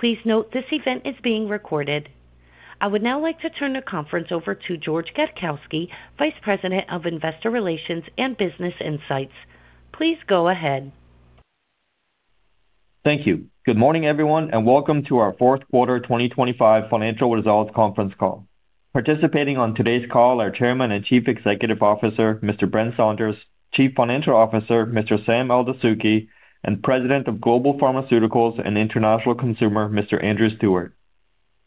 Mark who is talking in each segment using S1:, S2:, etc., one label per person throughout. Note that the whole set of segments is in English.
S1: Please note this event is being recorded. I would now like to turn the conference over to George Gadkowski, Vice President of Investor Relations and Business Insights. Please go ahead.
S2: Thank you. Good morning, everyone, and welcome to our fourth quarter 2025 financial results conference call. Participating on today's call are Chairman and Chief Executive Officer, Mr. Brent Saunders, Chief Financial Officer, Mr. Sam Eldessouky, and President of Global Pharmaceuticals and International Consumer, Mr. Andrew Stewart.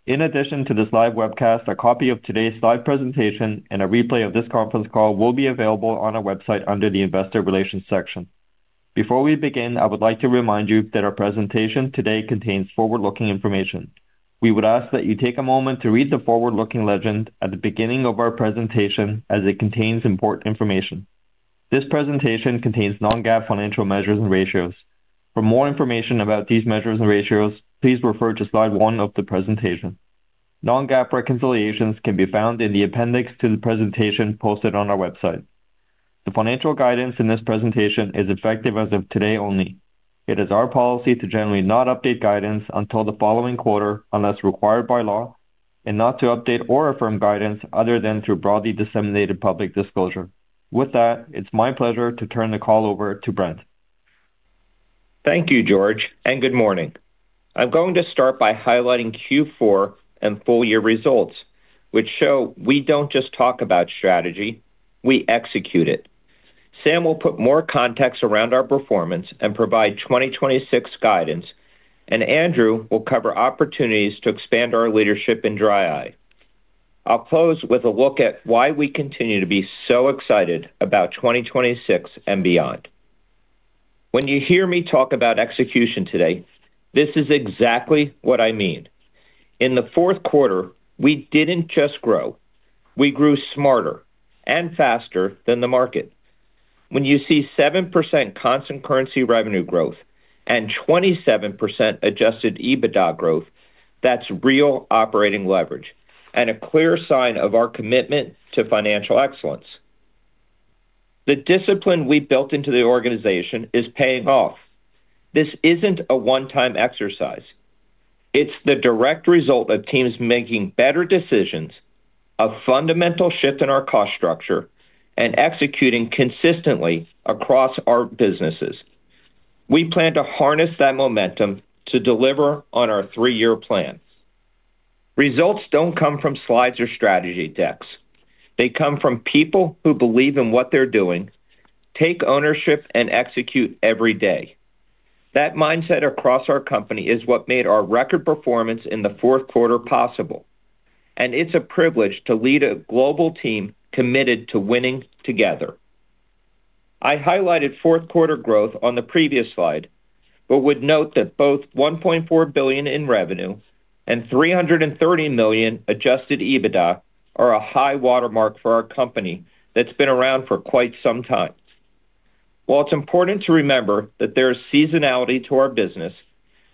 S2: In addition to this live webcast, a copy of today's live presentation and a replay of this conference call will be available on our website under the Investor Relations section. Before we begin, I would like to remind you that our presentation today contains forward-looking information. We would ask that you take a moment to read the forward-looking legend at the beginning of our presentation, as it contains important information. This presentation contains non-GAAP financial measures and ratios. For more information about these measures and ratios, please refer to slide 1 of the presentation. Non-GAAP reconciliations can be found in the appendix to the presentation posted on our website. The financial guidance in this presentation is effective as of today only. It is our policy to generally not update guidance until the following quarter, unless required by law, and not to update or affirm guidance other than through broadly disseminated public disclosure. With that, it's my pleasure to turn the call over to Brent.
S3: Thank you, George, and good morning. I'm going to start by highlighting Q4 and full year results, which show we don't just talk about strategy, we execute it. Sam will put more context around our performance and provide 2026 guidance, and Andrew will cover opportunities to expand our leadership in dry eye. I'll close with a look at why we continue to be so excited about 2026 and beyond. When you hear me talk about execution today, this is exactly what I mean. In the fourth quarter, we didn't just grow, we grew smarter and faster than the market. When you see 7% constant currency revenue growth and 27% Adjusted EBITDA growth, that's real operating leverage and a clear sign of our commitment to financial excellence. The discipline we built into the organization is paying off. This isn't a one-time exercise. It's the direct result of teams making better decisions, a fundamental shift in our cost structure, and executing consistently across our businesses. We plan to harness that momentum to deliver on our three-year plan. Results don't come from slides or strategy decks. They come from people who believe in what they're doing, take ownership, and execute every day. That mindset across our company is what made our record performance in the fourth quarter possible, and it's a privilege to lead a global team committed to winning together. I highlighted fourth quarter growth on the previous slide, but would note that both $1.4 billion in revenue and $330 million adjusted EBITDA are a high watermark for our company that's been around for quite some time. While it's important to remember that there is seasonality to our business,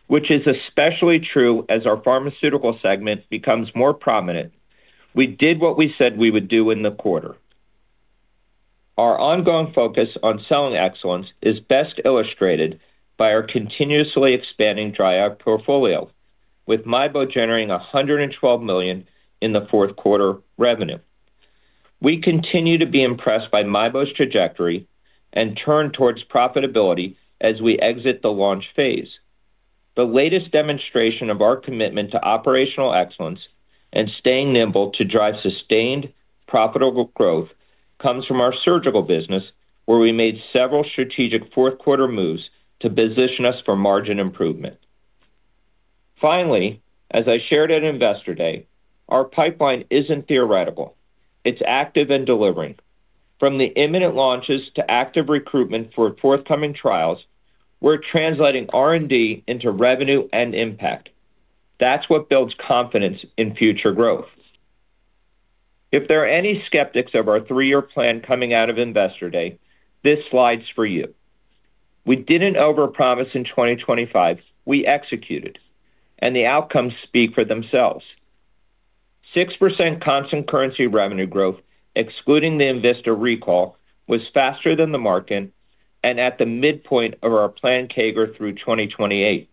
S3: which is especially true as our pharmaceutical segment becomes more prominent, we did what we said we would do in the quarter. Our ongoing focus on selling excellence is best illustrated by our continuously expanding dry eye portfolio, with MIEBO generating $112 million in the fourth quarter revenue. We continue to be impressed by MIEBO's trajectory and turn towards profitability as we exit the launch phase. The latest demonstration of our commitment to operational excellence and staying nimble to drive sustained, profitable growth comes from our surgical business, where we made several strategic fourth quarter moves to position us for margin improvement. Finally, as I shared at Investor Day, our pipeline isn't theoretical. It's active in delivering. From the imminent launches to active recruitment for forthcoming trials, we're translating R&D into revenue and impact. That's what builds confidence in future growth. If there are any skeptics of our three-year plan coming out of Investor Day, this slide's for you. We didn't overpromise in 2025. We executed, and the outcomes speak for themselves. 6% constant currency revenue growth, excluding the enVista recall, was faster than the market and at the midpoint of our planned CAGR through 2028.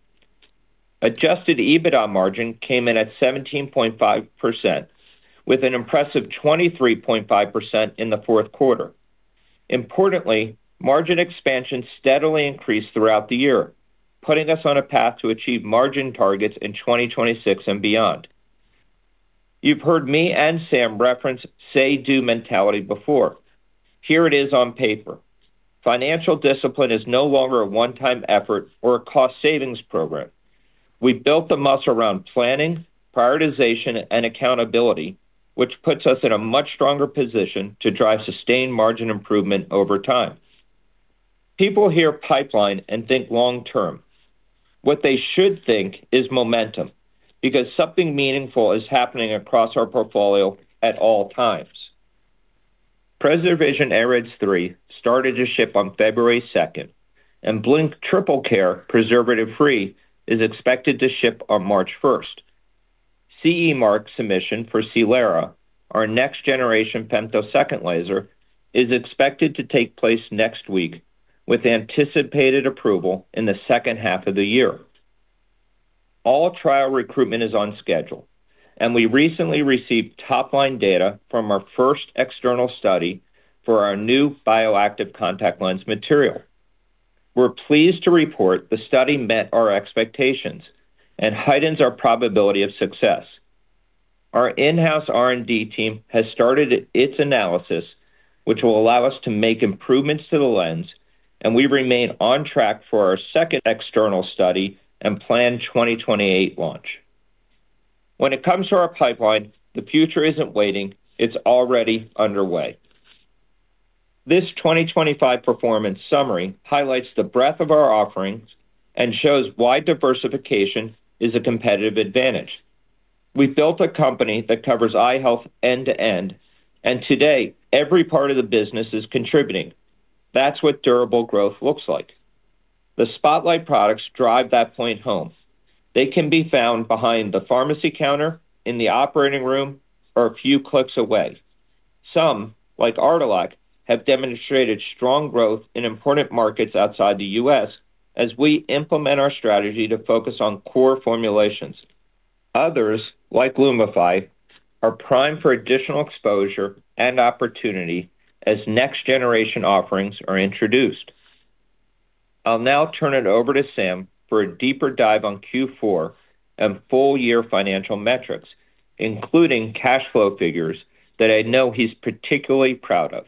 S3: Adjusted EBITDA margin came in at 17.5%, with an impressive 23.5% in the fourth quarter. Importantly, margin expansion steadily increased throughout the year, putting us on a path to achieve margin targets in 2026 and beyond. You've heard me and Sam reference say-do mentality before. Here it is on paper. Financial discipline is no longer a one-time effort or a cost savings program. We've built the muscle around planning, prioritization, and accountability, which puts us in a much stronger position to drive sustained margin improvement over time. People hear pipeline and think long term. What they should think is momentum, because something meaningful is happening across our portfolio at all times. PreserVision AREDS 3 started to ship on February second, and Blink Triple Care preservative-free is expected to ship on March 1st. CE Mark submission for Silera, our next generation femtosecond laser, is expected to take place next week, with anticipated approval in the second half of the year. All trial recruitment is on schedule, and we recently received top-line data from our first external study for our new bioactive contact lens material. We're pleased to report the study met our expectations and heightens our probability of success. Our in-house R&D team has started its analysis, which will allow us to make improvements to the lens, and we remain on track for our second external study and planned 2028 launch. When it comes to our pipeline, the future isn't waiting, it's already underway. This 2025 performance summary highlights the breadth of our offerings and shows why diversification is a competitive advantage. We've built a company that covers eye health end-to-end, and today every part of the business is contributing. That's what durable growth looks like. The spotlight products drive that point home. They can be found behind the pharmacy counter, in the operating room, or a few clicks away. Some, like Artelac, have demonstrated strong growth in important markets outside the U.S. as we implement our strategy to focus on core formulations. Others, like LUMIFY, are primed for additional exposure and opportunity as next generation offerings are introduced. I'll now turn it over to Sam for a deeper dive on Q4 and full year financial metrics, including cash flow figures that I know he's particularly proud of.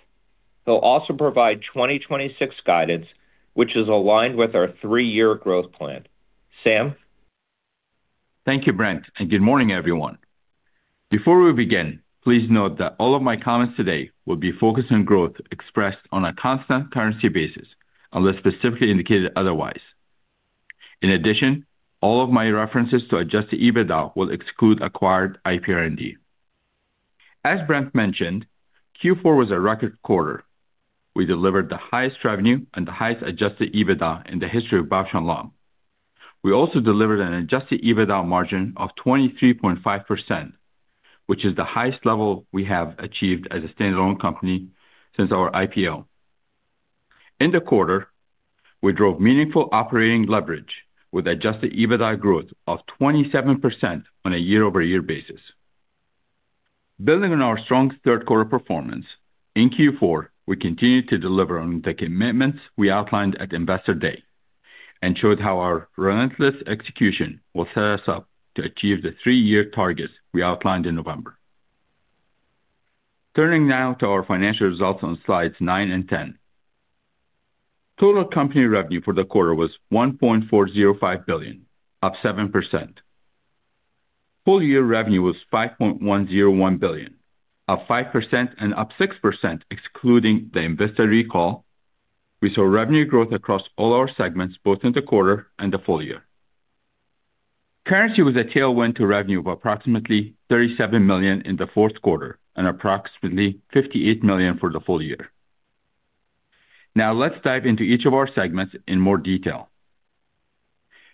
S3: He'll also provide 2026 guidance, which is aligned with our three-year growth plan. Sam?
S4: Thank you, Brent, and good morning, everyone. Before we begin, please note that all of my comments today will be focused on growth expressed on a constant currency basis, unless specifically indicated otherwise. In addition, all of my references to adjusted EBITDA will exclude acquired IPR&D. As Brent mentioned, Q4 was a record quarter. We delivered the highest revenue and the highest adjusted EBITDA in the history of Bausch + Lomb. We also delivered an adjusted EBITDA margin of 23.5%, which is the highest level we have achieved as a standalone company since our IPO. In the quarter, we drove meaningful operating leverage with adjusted EBITDA growth of 27% on a year-over-year basis. Building on our strong third quarter performance, in Q4, we continued to deliver on the commitments we outlined at Investor Day and showed how our relentless execution will set us up to achieve the three-year targets we outlined in November. Turning now to our financial results on slides 9 and 10. Total company revenue for the quarter was $1.405 billion, up 7%. Full year revenue was $5.101 billion, up 5% and up 6%, excluding the enVista recall. We saw revenue growth across all our segments, both in the quarter and the full year. Currency was a tailwind to revenue of approximately $37 million in the fourth quarter and approximately $58 million for the full year. Now, let's dive into each of our segments in more detail.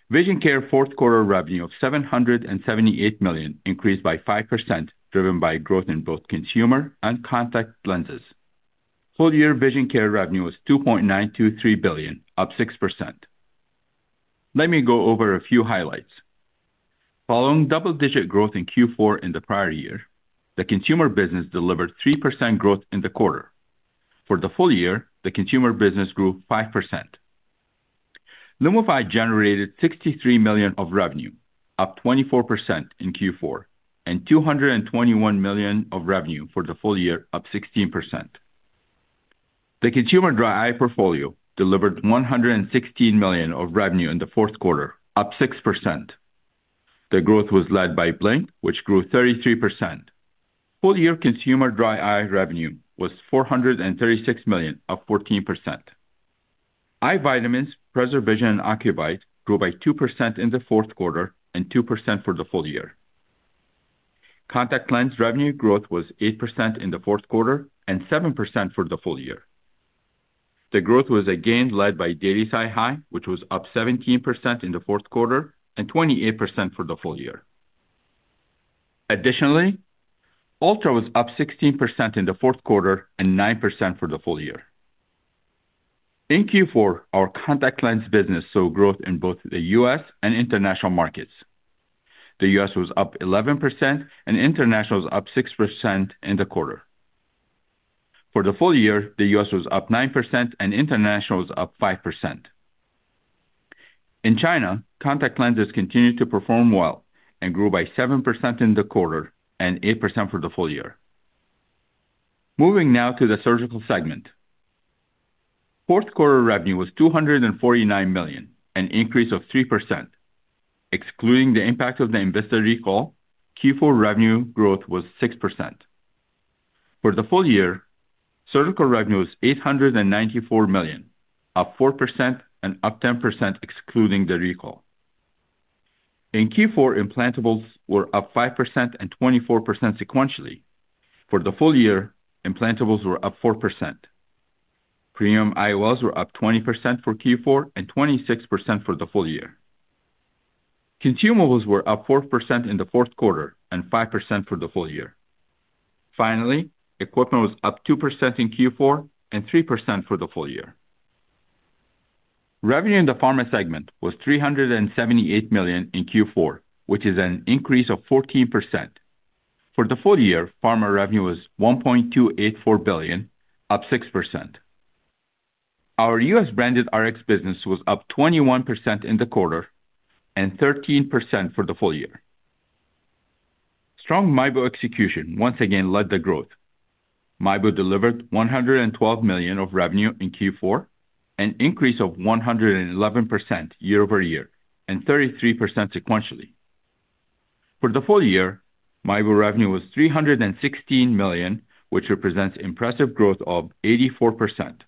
S4: Vision Care fourth quarter revenue of $778 million increased by 5%, driven by growth in both consumer and contact lenses. Full year Vision Care revenue was $2.923 billion, up 6%. Let me go over a few highlights. Following double-digit growth in Q4 in the prior year, the consumer business delivered 3% growth in the quarter. For the full year, the consumer business grew 5%. LUMIFY generated $63 million of revenue, up 24% in Q4, and $221 million of revenue for the full year, up 16%. The consumer dry eye portfolio delivered $116 million of revenue in the fourth quarter, up 6%. The growth was led by Blink, which grew 33%. Full year consumer dry eye revenue was $436 million, up 14%. Eye vitamins, PreserVision and Ocuvite, grew by 2% in the fourth quarter and 2% for the full year. Contact lens revenue growth was 8% in the fourth quarter and 7% for the full year. The growth was again led by daily SiHy, which was up 17% in the fourth quarter and 28% for the full year. Additionally, ULTRA was up 16% in the fourth quarter and 9% for the full year. In Q4, our contact lens business saw growth in both the U.S. and international markets. The U.S. was up 11% and international was up 6% in the quarter. For the full year, the U.S. was up 9% and international was up 5%. In China, contact lenses continued to perform well and grew by 7% in the quarter and 8% for the full year. Moving now to the surgical segment. Fourth quarter revenue was $249 million, an increase of 3%. Excluding the impact of the enVista recall, Q4 revenue growth was 6%. For the full year, surgical revenue was $894 million, up 4% and up 10%, excluding the recall. In Q4, implantables were up 5% and 24% sequentially. For the full year, implantables were up 4%. Premium IOLs were up 20% for Q4 and 26% for the full year. Consumables were up 4% in the fourth quarter and 5% for the full year. Finally, equipment was up 2% in Q4 and 3% for the full year. Revenue in the pharma segment was $378 million in Q4, which is an increase of 14%. For the full year, pharma revenue was $1.284 billion, up 6%. Our U.S. branded RX business was up 21% in the quarter and 13% for the full year. Strong MIEBO execution once again led the growth. MIEBO delivered $112 million of revenue in Q4, an increase of 111% year-over-year and 33% sequentially. For the full year, MIEBO revenue was $316 million, which represents impressive growth of 84%.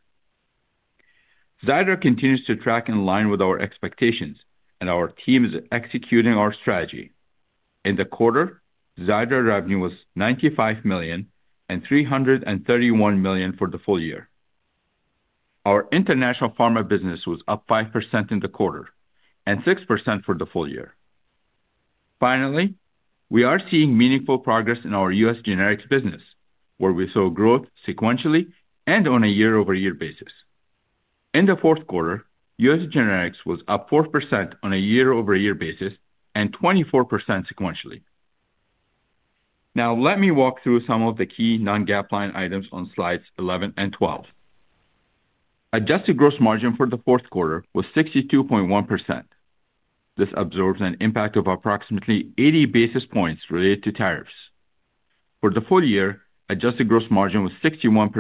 S4: XIIDRA continues to track in line with our expectations, and our team is executing our strategy. In the quarter, XIIDRA revenue was $95 million and $331 million for the full year. Our international pharma business was up 5% in the quarter and 6% for the full year. Finally, we are seeing meaningful progress in our U.S. generics business, where we saw growth sequentially and on a year-over-year basis. In the fourth quarter, U.S. generics was up 4% on a year-over-year basis and 24% sequentially. Now, let me walk through some of the key non-GAAP line items on slides 11 and 12. Adjusted gross margin for the fourth quarter was 62.1%. This absorbs an impact of approximately 80 basis points related to tariffs. For the full year, adjusted gross margin was 61%.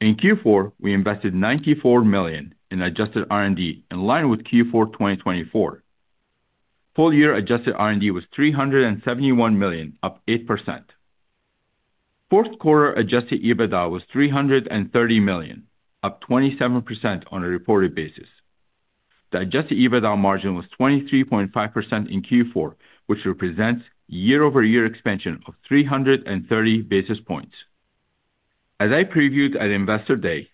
S4: In Q4, we invested $94 million in adjusted R&D, in line with Q4 2024. Full year adjusted R&D was $371 million, up 8%. Fourth quarter adjusted EBITDA was $330 million, up 27% on a reported basis. The adjusted EBITDA margin was 23.5% in Q4, which represents year-over-year expansion of 330 basis points. As I previewed at Investor Day,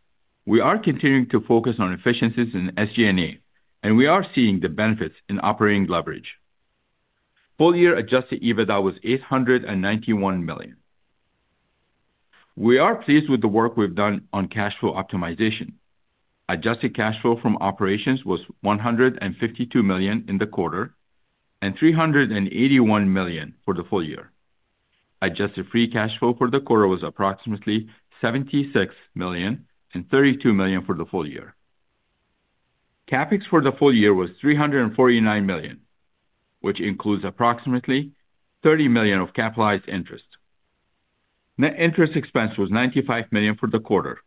S4: we are continuing to focus on efficiencies in SG&A, and we are seeing the benefits in operating leverage. Full year adjusted EBITDA was $891 million. We are pleased with the work we've done on cash flow optimization. Adjusted cash flow from operations was $152 million in the quarter and $381 million for the full year. Adjusted free cash flow for the quarter was approximately $76 million and $32 million for the full year. CapEx for the full year was $349 million, which includes approximately $30 million of capitalized interest. Net interest expense was $95 million for the quarter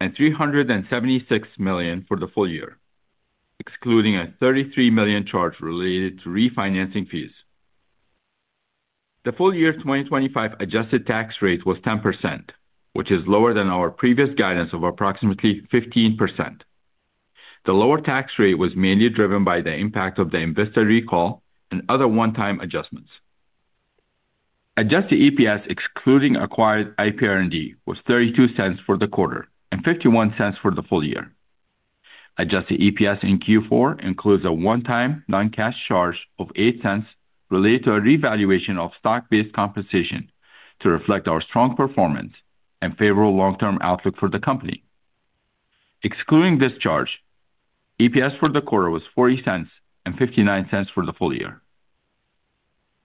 S4: and $376 million for the full year, excluding a $33 million charge related to refinancing fees. The full year 2025 adjusted tax rate was 10%, which is lower than our previous guidance of approximately 15%. The lower tax rate was mainly driven by the impact of the enVista recall and other one-time adjustments. Adjusted EPS, excluding acquired IPR&D, was $0.32 for the quarter and $0.51 for the full year. Adjusted EPS in Q4 includes a one-time non-cash charge of $0.08 related to a revaluation of stock-based compensation to reflect our strong performance and favorable long-term outlook for the company. Excluding this charge, EPS for the quarter was $0.40 and $0.59 for the full year.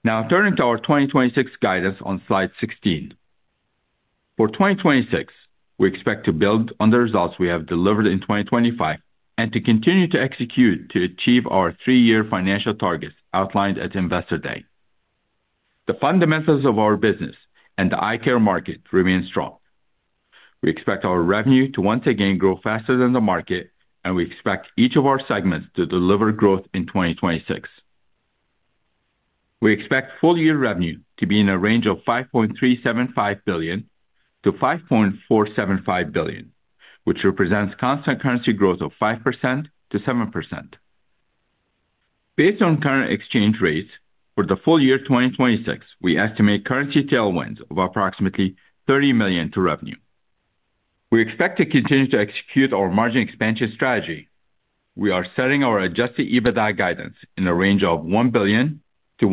S4: Now, turning to our 2026 guidance on slide 16. For 2026, we expect to build on the results we have delivered in 2025 and to continue to execute to achieve our three-year financial targets outlined at Investor Day. The fundamentals of our business and the eye care market remain strong. We expect our revenue to once again grow faster than the market, and we expect each of our segments to deliver growth in 2026. We expect full year revenue to be in a range of $5.375 billion-$5.475 billion, which represents constant currency growth of 5%-7%. Based on current exchange rates for the full year 2026, we estimate currency tailwinds of approximately $30 million to revenue. We expect to continue to execute our margin expansion strategy. We are setting our adjusted EBITDA guidance in a range of $1 billion-$1.05 billion. This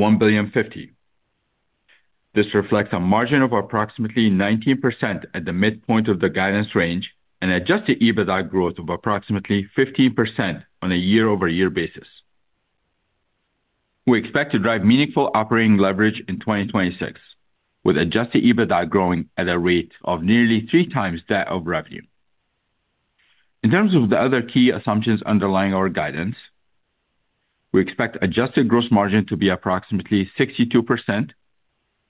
S4: reflects a margin of approximately 19% at the midpoint of the guidance range, and adjusted EBITDA growth of approximately 15% on a year-over-year basis. We expect to drive meaningful operating leverage in 2026, with adjusted EBITDA growing at a rate of nearly three times that of revenue. In terms of the other key assumptions underlying our guidance, we expect adjusted gross margin to be approximately 62%,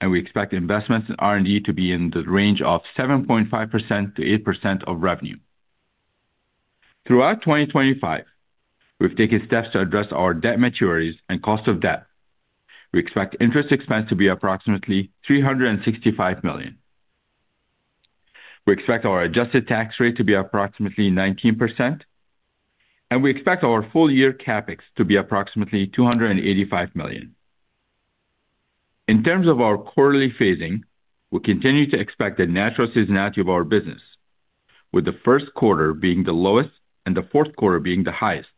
S4: and we expect investments in R&D to be in the range of 7.5%-8% of revenue. Throughout 2025, we've taken steps to address our debt maturities and cost of debt. We expect interest expense to be approximately $365 million. We expect our adjusted tax rate to be approximately 19%, and we expect our full year CapEx to be approximately $285 million. In terms of our quarterly phasing, we continue to expect the natural seasonality of our business, with the first quarter being the lowest and the fourth quarter being the highest.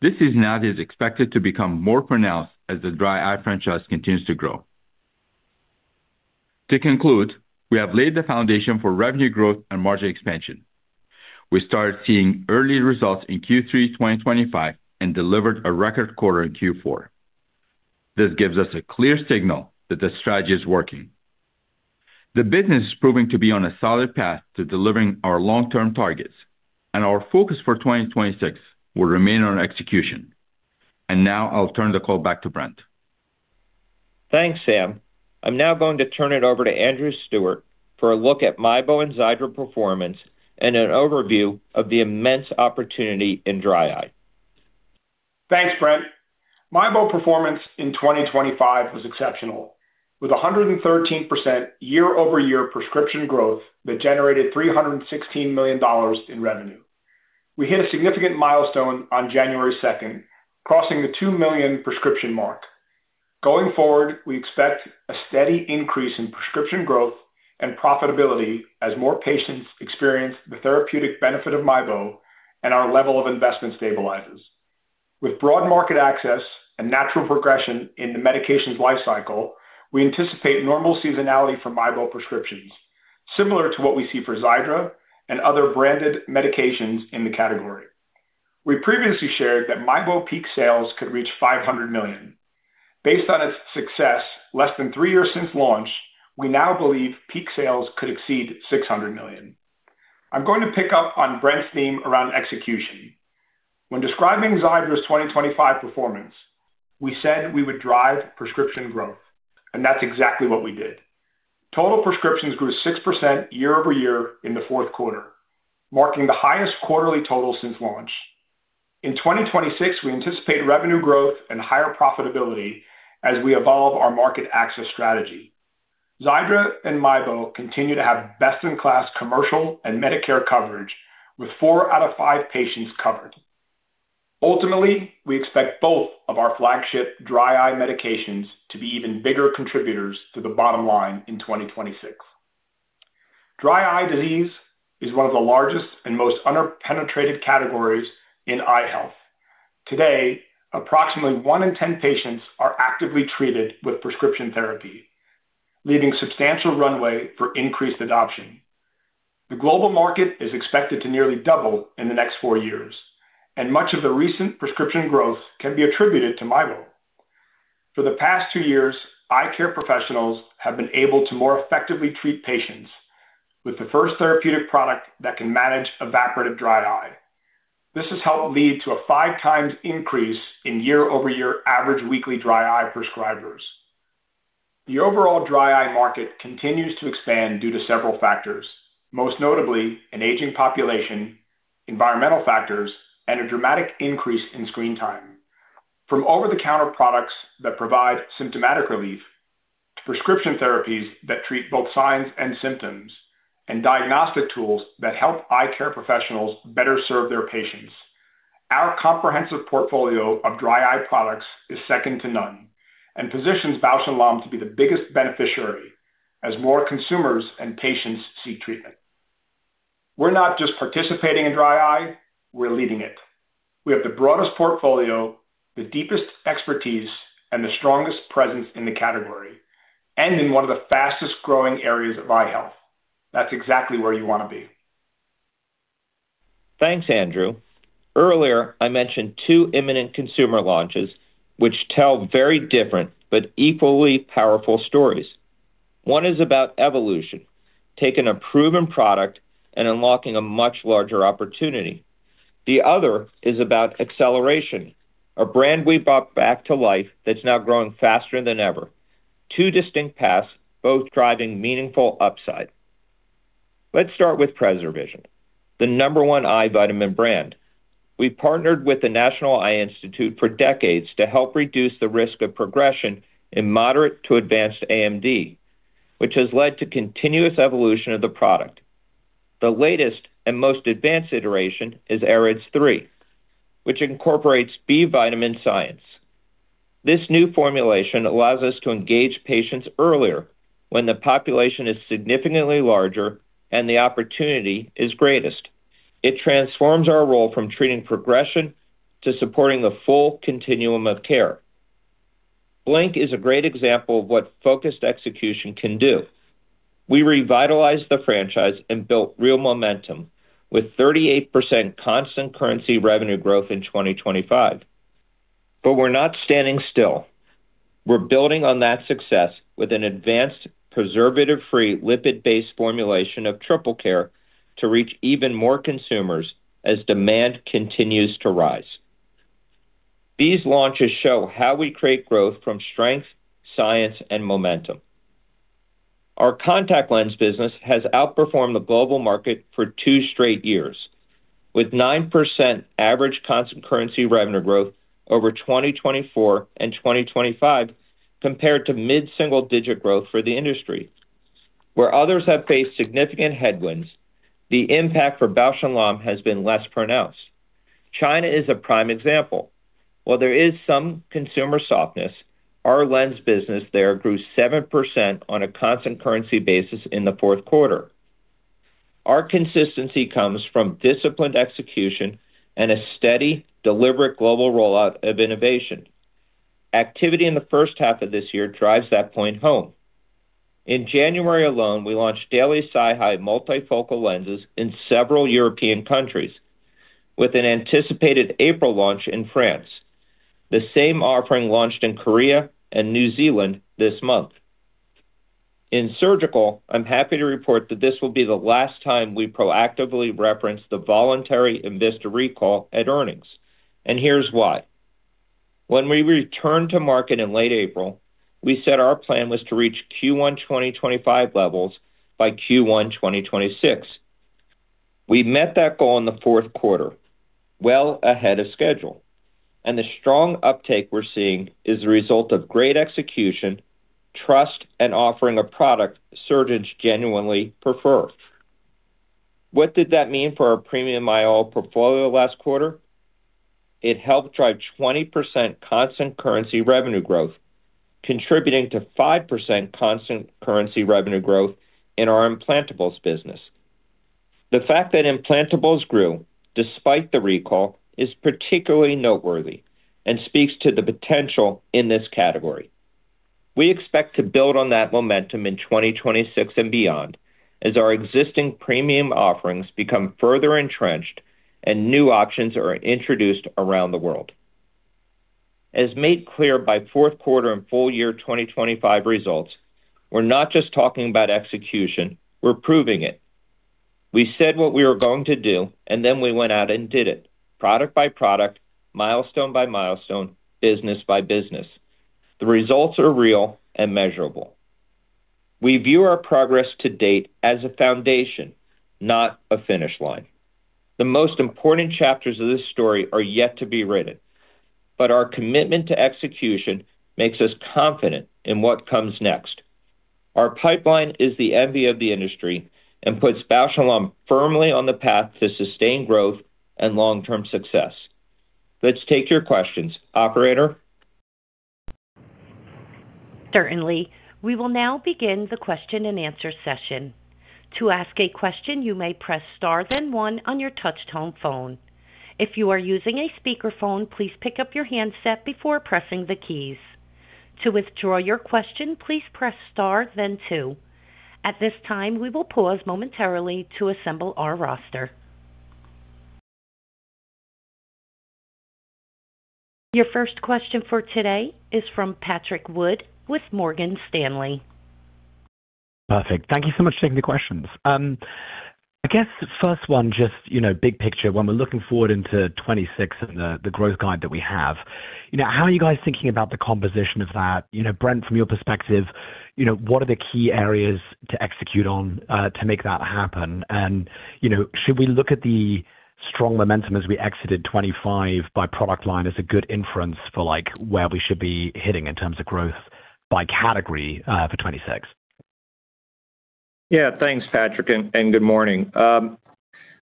S4: This seasonality is expected to become more pronounced as the dry eye franchise continues to grow. To conclude, we have laid the foundation for revenue growth and margin expansion. We started seeing early results in Q3 2025 and delivered a record quarter in Q4. This gives us a clear signal that the strategy is working. The business is proving to be on a solid path to delivering our long-term targets, and our focus for 2026 will remain on execution. And now I'll turn the call back to Brent.
S3: Thanks, Sam. I'm now going to turn it over to Andrew Stewart for a look at MIEBO and XIIDRA performance and an overview of the immense opportunity in dry eye.
S5: Thanks, Brent. MIEBO performance in 2025 was exceptional, with 113% year-over-year prescription growth that generated $316 million in revenue. We hit a significant milestone on January second, crossing the 2 million prescription mark. Going forward, we expect a steady increase in prescription growth and profitability as more patients experience the therapeutic benefit of MIEBO and our level of investment stabilizes. With broad market access and natural progression in the medications life cycle, we anticipate normal seasonality for MIEBO prescriptions, similar to what we see for XIIDRA and other branded medications in the category. We previously shared that MIEBO peak sales could reach $500 million. Based on its success, less than 3 years since launch, we now believe peak sales could exceed $600 million. I'm going to pick up on Brent's theme around execution. When describing XIIDRA's 2025 performance, we said we would drive prescription growth, and that's exactly what we did. Total prescriptions grew 6% year-over-year in the fourth quarter, marking the highest quarterly total since launch. In 2026, we anticipate revenue growth and higher profitability as we evolve our market access strategy. XIIDRA and MIEBO continue to have best-in-class commercial and Medicare coverage, with four out of five patients covered. Ultimately, we expect both of our flagship dry eye medications to be even bigger contributors to the bottom line in 2026. Dry eye disease is one of the largest and most underpenetrated categories in eye health. Today, approximately one in ten patients are actively treated with prescription therapy, leaving substantial runway for increased adoption. The global market is expected to nearly double in the next four years, and much of the recent prescription growth can be attributed to MIEBO. For the past two years, eye care professionals have been able to more effectively treat patients with the first therapeutic product that can manage evaporative dry eye. This has helped lead to a five times increase in year-over-year average weekly dry eye prescribers. The overall dry eye market continues to expand due to several factors, most notably an aging population, environmental factors, and a dramatic increase in screen time. From over-the-counter products that provide symptomatic relief, prescription therapies that treat both signs and symptoms, and diagnostic tools that help eye care professionals better serve their patients. Our comprehensive portfolio of dry eye products is second to none and positions Bausch + Lomb to be the biggest beneficiary as more consumers and patients seek treatment. We're not just participating in dry eye, we're leading it. We have the broadest portfolio, the deepest expertise, and the strongest presence in the category, and in one of the fastest-growing areas of eye health. That's exactly where you want to be.
S3: Thanks, Andrew. Earlier, I mentioned two imminent consumer launches, which tell very different but equally powerful stories. One is about evolution, taking a proven product and unlocking a much larger opportunity. The other is about acceleration, a brand we brought back to life that's now growing faster than ever. Two distinct paths, both driving meaningful upside. Let's start with PreserVision, the number one eye vitamin brand. We've partnered with the National Eye Institute for decades to help reduce the risk of progression in moderate to advanced AMD, which has led to continuous evolution of the product. The latest and most advanced iteration is AREDS 3, which incorporates B vitamin science. This new formulation allows us to engage patients earlier when the population is significantly larger and the opportunity is greatest. It transforms our role from treating progression to supporting the full continuum of care. Blink is a great example of what focused execution can do. We revitalized the franchise and built real momentum with 38% constant currency revenue growth in 2025. But we're not standing still. We're building on that success with an advanced, preservative-free, lipid-based formulation of Triple Care to reach even more consumers as demand continues to rise. These launches show how we create growth from strength, science, and momentum. Our contact lens business has outperformed the global market for two straight years, with 9% average constant currency revenue growth over 2024 and 2025, compared to mid-single digit growth for the industry. Where others have faced significant headwinds, the impact for Bausch + Lomb has been less pronounced. China is a prime example. While there is some consumer softness, our lens business there grew 7% on a constant currency basis in the fourth quarter. Our consistency comes from disciplined execution and a steady, deliberate global rollout of innovation. Activity in the first half of this year drives that point home. In January alone, we launched daily SiHy multifocal lenses in several European countries, with an anticipated April launch in France. The same offering launched in Korea and New Zealand this month. In surgical, I'm happy to report that this will be the last time we proactively reference the voluntary enVista recall at earnings, and here's why. When we returned to market in late April, we said our plan was to reach Q1 2025 levels by Q1 2026. We met that goal in the fourth quarter, well ahead of schedule, and the strong uptake we're seeing is a result of great execution, trust, and offering a product surgeons genuinely prefer. What did that mean for our premium IOL portfolio last quarter? It helped drive 20% constant currency revenue growth, contributing to 5% constant currency revenue growth in our implantables business. The fact that implantables grew despite the recall is particularly noteworthy and speaks to the potential in this category. We expect to build on that momentum in 2026 and beyond, as our existing premium offerings become further entrenched and new options are introduced around the world. As made clear by fourth quarter and full year 2025 results, we're not just talking about execution, we're proving it. We said what we were going to do, and then we went out and did it, product by product, milestone by milestone, business by business. The results are real and measurable. We view our progress to date as a foundation, not a finish line. The most important chapters of this story are yet to be written, but our commitment to execution makes us confident in what comes next. Our pipeline is the envy of the industry and puts Bausch + Lomb firmly on the path to sustained growth and long-term success. Let's take your questions. Operator?
S1: Certainly. We will now begin the question-and-answer session. To ask a question, you may press star then one on your touchtone phone. If you are using a speakerphone, please pick up your handset before pressing the keys. To withdraw your question, please press star then two. At this time, we will pause momentarily to assemble our roster. Your first question for today is from Patrick Wood with Morgan Stanley.
S6: Perfect. Thank you so much for taking the questions. I guess the first one, just, you know, big picture, when we're looking forward into 2026 and the growth guide that we have, you know, how are you guys thinking about the composition of that? You know, Brent, from your perspective, you know, what are the key areas to execute on, to make that happen? And, you know, should we look at the strong momentum as we exited 2025 by product line as a good inference for, like, where we should be heading in terms of growth by category, for 2026?
S3: Yeah, thanks, Patrick, and good morning.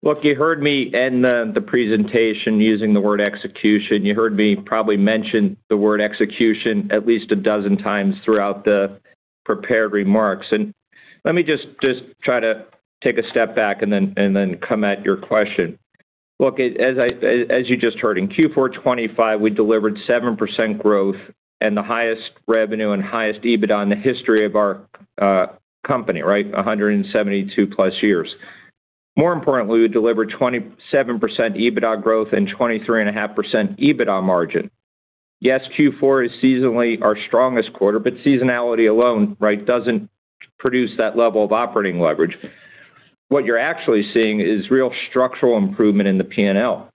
S3: Look, you heard me end the presentation using the word execution. You heard me probably mention the word execution at least a dozen times throughout the prepared remarks, and let me just try to take a step back and then come at your question. Look, as you just heard, in Q4 2025, we delivered 7% growth and the highest revenue and highest EBITDA in the history of our company, right? 172+ years. More importantly, we delivered 27% EBITDA growth and 23.5% EBITDA margin. Yes, Q4 is seasonally our strongest quarter, but seasonality alone, right, doesn't produce that level of operating leverage. What you're actually seeing is real structural improvement in the P&L.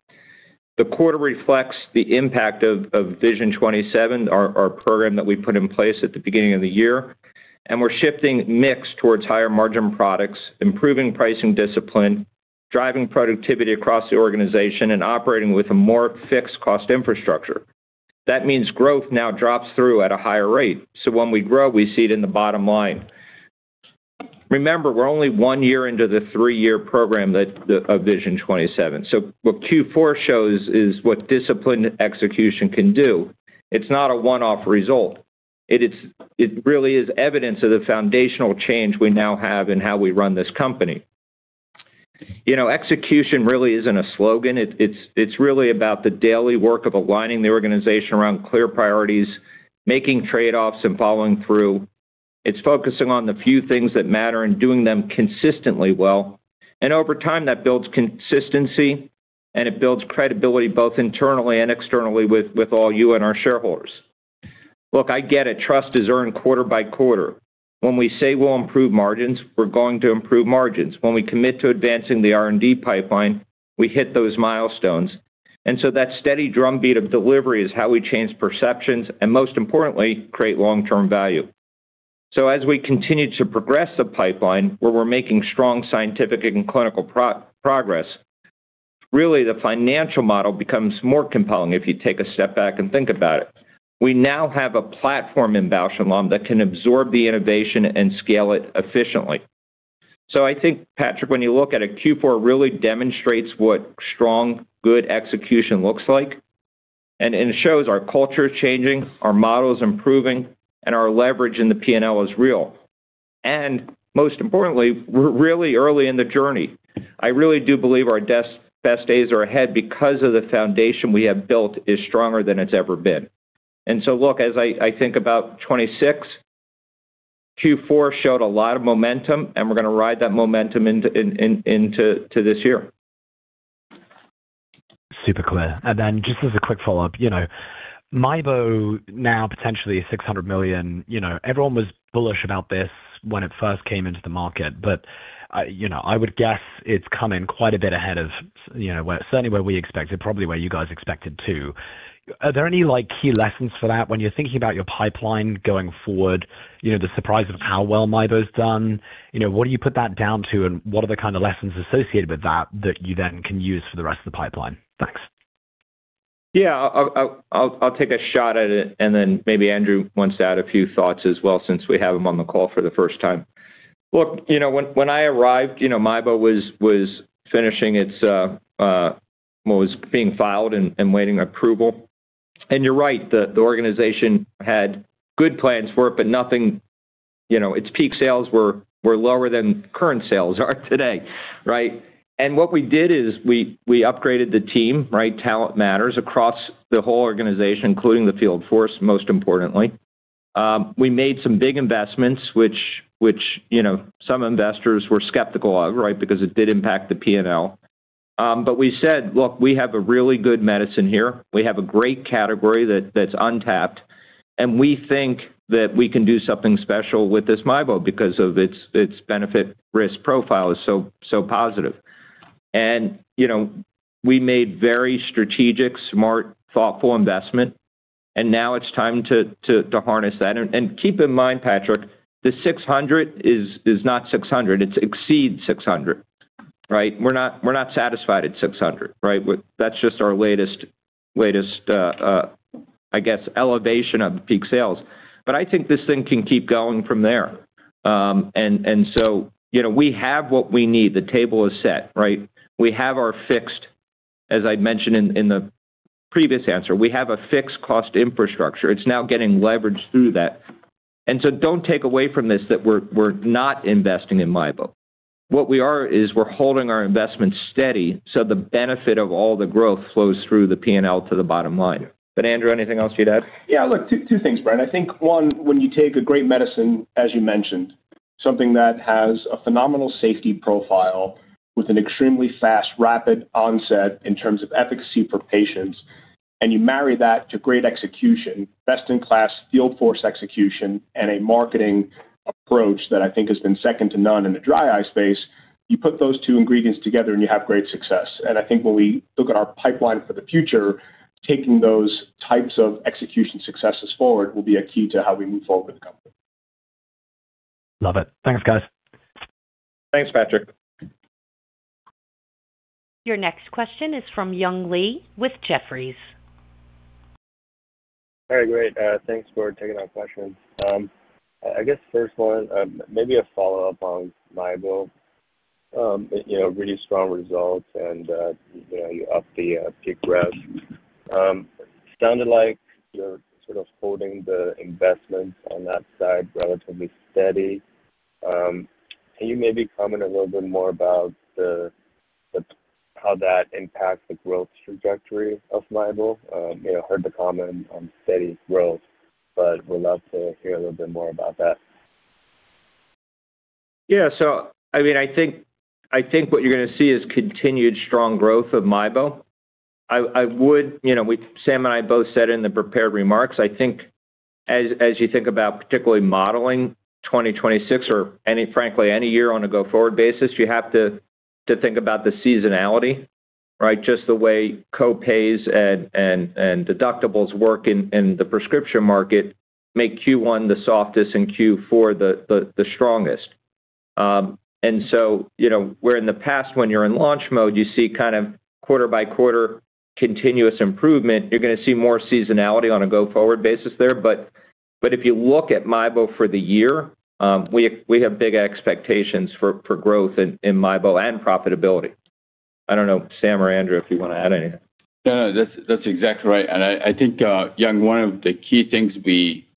S3: The quarter reflects the impact of Vision 2027, our program that we put in place at the beginning of the year, and we're shifting mix towards higher-margin products, improving pricing discipline, driving productivity across the organization, and operating with a more fixed cost infrastructure. That means growth now drops through at a higher rate. So when we grow, we see it in the bottom line. Remember, we're only one year into the three-year program of Vision 2027. So what Q4 shows is what disciplined execution can do. It's not a one-off result. It really is evidence of the foundational change we now have in how we run this company. You know, execution really isn't a slogan. It's really about the daily work of aligning the organization around clear priorities, making trade-offs, and following through. It's focusing on the few things that matter and doing them consistently well, and over time, that builds consistency, and it builds credibility, both internally and externally, with all you and our shareholders. Look, I get it. Trust is earned quarter by quarter. When we say we'll improve margins, we're going to improve margins. When we commit to advancing the R&D pipeline, we hit those milestones. And so that steady drumbeat of delivery is how we change perceptions and most importantly, create long-term value. So as we continue to progress the pipeline, where we're making strong scientific and clinical progress. Really, the financial model becomes more compelling if you take a step back and think about it. We now have a platform in Bausch + Lomb that can absorb the innovation and scale it efficiently. So I think, Patrick, when you look at it, Q4 really demonstrates what strong, good execution looks like, and it shows our culture is changing, our model is improving, and our leverage in the P&L is real. And most importantly, we're really early in the journey. I really do believe our best days are ahead because of the foundation we have built is stronger than it's ever been. And so look, as I think about 2026, Q4 showed a lot of momentum, and we're going to ride that momentum into this year.
S6: Super clear. And then just as a quick follow-up, you know, MIEBO now potentially $600 million. You know, everyone was bullish about this when it first came into the market, but, you know, I would guess it's come in quite a bit ahead of, you know, where certainly where we expected, probably where you guys expected too. Are there any, like, key lessons for that when you're thinking about your pipeline going forward, you know, the surprise of how well MIEBO's done? You know, what do you put that down to, and what are the kind of lessons associated with that, that you then can use for the rest of the pipeline? Thanks.
S3: Yeah. I'll take a shot at it, and then maybe Andrew wants to add a few thoughts as well, since we have him on the call for the first time. Look, you know, when I arrived, you know, MIEBO was finishing its, well, it was being filed and waiting approval. And you're right, the organization had good plans for it, but nothing—you know, its peak sales were lower than current sales are today, right? And what we did is we upgraded the team, right? Talent matters across the whole organization, including the field force, most importantly. We made some big investments which, you know, some investors were skeptical of, right, because it did impact the P&L. But we said, "Look, we have a really good medicine here. We have a great category that's untapped, and we think that we can do something special with this MIEBO because of its benefit-risk profile is so positive. And, you know, we made very strategic, smart, thoughtful investment, and now it's time to harness that. And keep in mind, Patrick, the $600 million is not $600 million, it exceeds $600 million, right? We're not, we're not satisfied at $600 million, right? But that's just our latest, I guess, elevation of the peak sales. But I think this thing can keep going from there. And so, you know, we have what we need. The table is set, right? We have our fixed, as I mentioned in the previous answer, we have a fixed cost infrastructure. It's now getting leveraged through that. And so don't take away from this, that we're, we're not investing in MIEBO. What we are is we're holding our investments steady, so the benefit of all the growth flows through the P&L to the bottom line. But Andrew, anything else you'd add?
S5: Yeah, look, two things, Brian. I think, one, when you take a great medicine, as you mentioned, something that has a phenomenal safety profile with an extremely fast, rapid onset in terms of efficacy for patients, and you marry that to great execution, best-in-class field force execution, and a marketing approach that I think has been second to none in the dry eye space, you put those two ingredients together, and you have great success. I think when we look at our pipeline for the future, taking those types of execution successes forward will be a key to how we move forward with the company.
S6: Love it. Thanks, guys.
S3: Thanks, Patrick.
S1: Your next question is from Young Li with Jefferies.
S7: All right, great, thanks for taking our questions. I guess first one, maybe a follow-up on MIEBO. You know, really strong results and, you know, you upped the, peak rev. Sounded like you're sort of holding the investments on that side relatively steady. Can you maybe comment a little bit more about the, how that impacts the growth trajectory of MIEBO? I know I heard the comment on steady growth, but would love to hear a little bit more about that.
S3: Yeah, so I mean, I think what you're going to see is continued strong growth of MIEBO. I would, you know, we, Sam and I both said in the prepared remarks, I think as you think about particularly modeling 2026 or any, frankly, any year on a go-forward basis, you have to think about the seasonality, right? Just the way co-pays and deductibles work in the prescription market make Q1 the softest and Q4 the strongest. And so, you know, where in the past when you're in launch mode, you see kind of quarter by quarter continuous improvement, you're going to see more seasonality on a go-forward basis there. But if you look at MIEBO for the year, we have big expectations for growth in MIEBO and profitability. I don't know, Sam or Andrew, if you want to add anything?
S4: No, no, that's, that's exactly right. And I, I think, Young, one of the key things we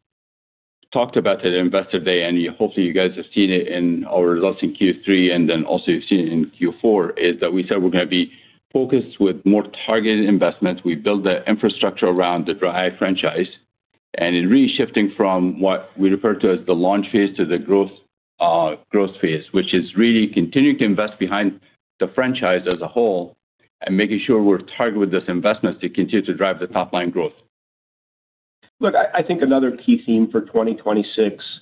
S4: talked about at Investor Day, and hopefully you guys have seen it in our results in Q3, and then also you've seen it in Q4, is that we said we're going to be focused with more targeted investments. We build the infrastructure around the dry eye franchise, and in really shifting from what we refer to as the launch phase to the growth, growth phase, which is really continuing to invest behind the franchise as a whole and making sure we're targeted with this investment to continue to drive the top-line growth.
S5: Look, I think another key theme for 2026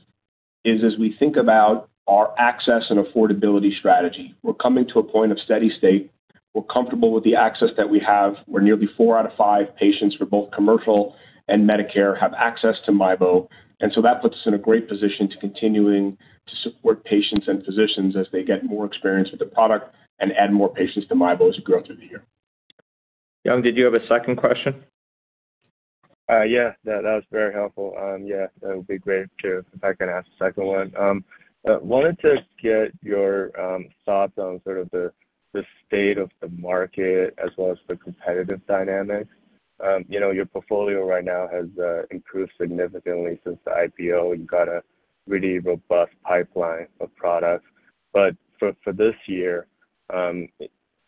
S5: is as we think about our access and affordability strategy, we're coming to a point of steady state. We're comfortable with the access that we have, where nearly four out of five patients for both commercial and Medicare have access to MIEBO. And so that puts us in a great position to continuing to support patients and physicians as they get more experience with the product and add more patients to MIEBO as we grow through the year.
S3: Young, did you have a second question?
S7: Yeah, that, that was very helpful. Yeah, that would be great, too. If I can ask a second one, wanted to get your thoughts on sort of the, the state of the market as well as the competitive dynamics. You know, your portfolio right now has improved significantly since the IPO. You've got a really robust pipeline of products. But for, for this year,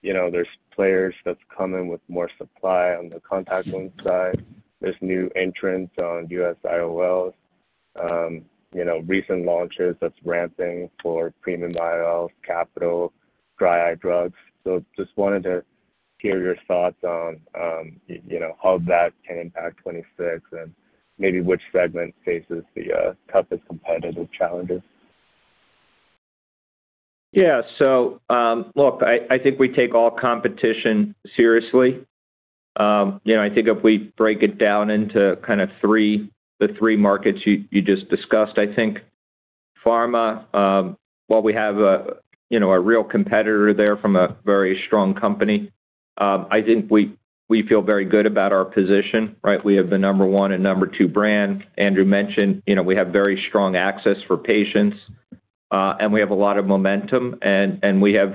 S7: you know, there's players that's coming with more supply on the contact lens side. There's new entrants on U.S. IOLs, you know, recent launches that's ramping for premium IOLs, capital, dry eye drugs. So just wanted to hear your thoughts on, you know, how that can impact 2026 and maybe which segment faces the, toughest competitive challenges.
S3: Yeah. So, look, I think we take all competition seriously. You know, I think if we break it down into kind of three, the three markets you just discussed, I think pharma, while we have a, you know, a real competitor there from a very strong company, I think we feel very good about our position, right? We have the number 1 and number 2 brand. Andrew mentioned, you know, we have very strong access for patients, and we have a lot of momentum, and we have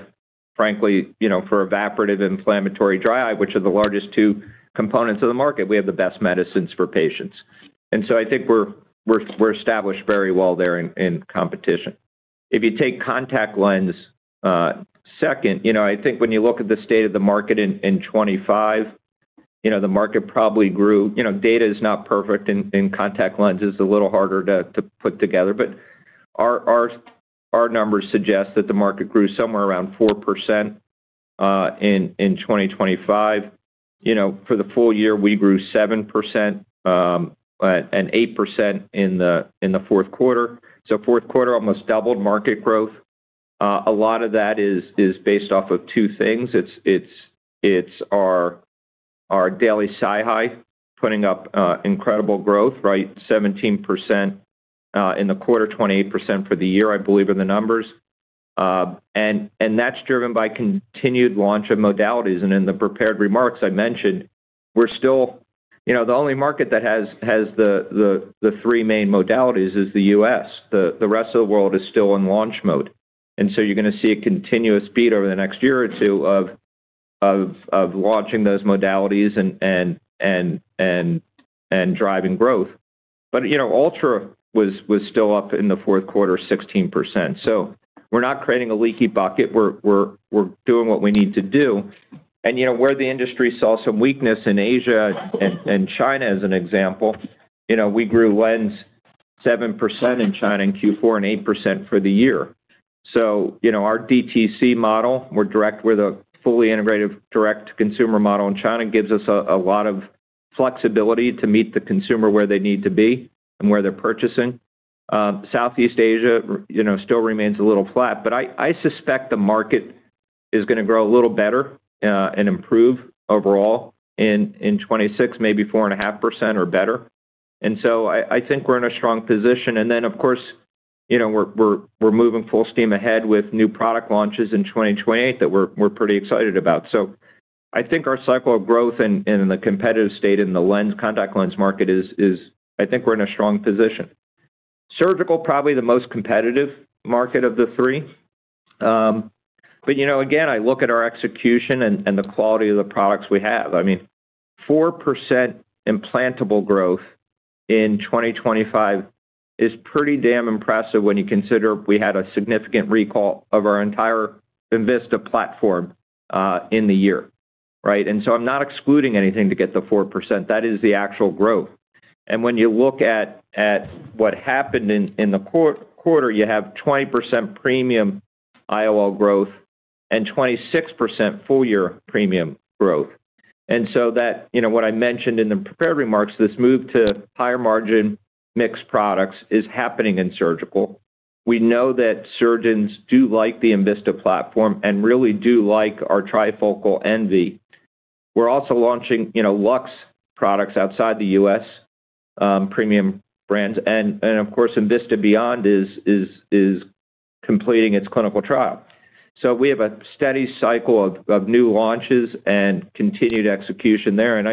S3: frankly, you know, for evaporative inflammatory dry eye, which are the largest two components of the market, we have the best medicines for patients. And so I think we're established very well there in competition. If you take contact lens, second, you know, I think when you look at the state of the market in 2025, you know, the market probably grew. You know, data is not perfect in contact lenses, a little harder to put together, but our numbers suggest that the market grew somewhere around 4%, in 2025. You know, for the full year, we grew 7% and 8% in the fourth quarter. So fourth quarter almost doubled market growth. A lot of that is based off of two things. It's our daily SiHy putting up incredible growth, right? 17% in the quarter, 28% for the year, I believe, are the numbers. And that's driven by continued launch of modalities. In the prepared remarks I mentioned, we're still, you know, the only market that has the three main modalities is the U.S. The rest of the world is still in launch mode, and so you're going to see a continuous beat over the next year or two of launching those modalities and driving growth. But, you know, ULTRA was still up in the fourth quarter, 16%. So we're not creating a leaky bucket. We're doing what we need to do. And, you know, where the industry saw some weakness in Asia and China, as an example, you know, we grew lens 7% in China in Q4 and 8% for the year. So, you know, our DTC model, we're direct with a fully integrated direct-to-consumer model in China, gives us a lot of flexibility to meet the consumer where they need to be and where they're purchasing. Southeast Asia, you know, still remains a little flat, but I suspect the market is going to grow a little better and improve overall in 2026, maybe 4.5% or better. And so I think we're in a strong position. And then, of course, you know, we're moving full steam ahead with new product launches in 2028 that we're pretty excited about. So I think our cycle of growth in the competitive state, in the lens, contact lens market is, I think we're in a strong position. Surgical, probably the most competitive market of the three. But you know, again, I look at our execution and, and the quality of the products we have. I mean, 4% implantable growth in 2025 is pretty damn impressive when you consider we had a significant recall of our entire enVista platform in the year, right? And so I'm not excluding anything to get the 4%. That is the actual growth. And when you look at what happened in the quarter, you have 20% premium IOL growth and 26% full year premium growth. And so that, you know, what I mentioned in the prepared remarks, this move to higher margin mix products is happening in surgical. We know that surgeons do like the enVista platform and really do like our trifocal enVista Envy. We're also launching, you know, Lux products outside the U.S., premium brands. And of course, enVista Beyond is completing its clinical trial. So we have a steady cycle of new launches and continued execution there, and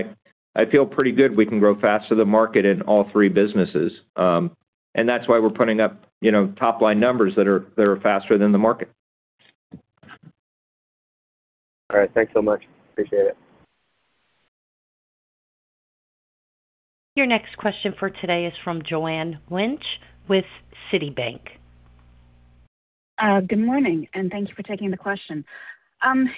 S3: I feel pretty good we can grow faster than market in all three businesses. And that's why we're putting up, you know, top-line numbers that are faster than the market.
S7: All right. Thanks so much. Appreciate it.
S1: Your next question for today is from Joanne Wuensch with Citibank.
S8: Good morning, and thank you for taking the question.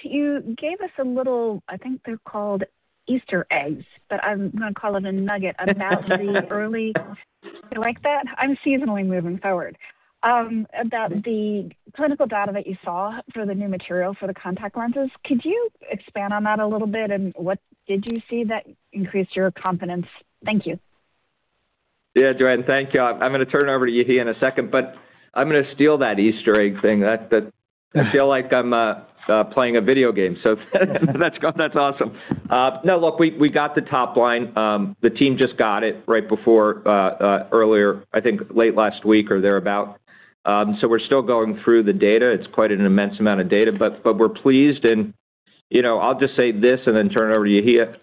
S8: You gave us a little, I think they're called Easter eggs, but I'm going to call it a nugget about the early, you like that? I'm seasonally moving forward. About the clinical data that you saw for the new material for the contact lenses, could you expand on that a little bit, and what did you see that increased your confidence? Thank you.
S3: Yeah, Joanne, thank you. I'm going to turn it over to Yehia in a second, but I'm going to steal that Easter egg thing. That, that I feel like I'm playing a video game. So that's awesome. No, look, we got the top line. The team just got it right before earlier, I think late last week or thereabout. So we're still going through the data. It's quite an immense amount of data, but we're pleased. You know, I'll just say this and then turn it over to you, Yehia.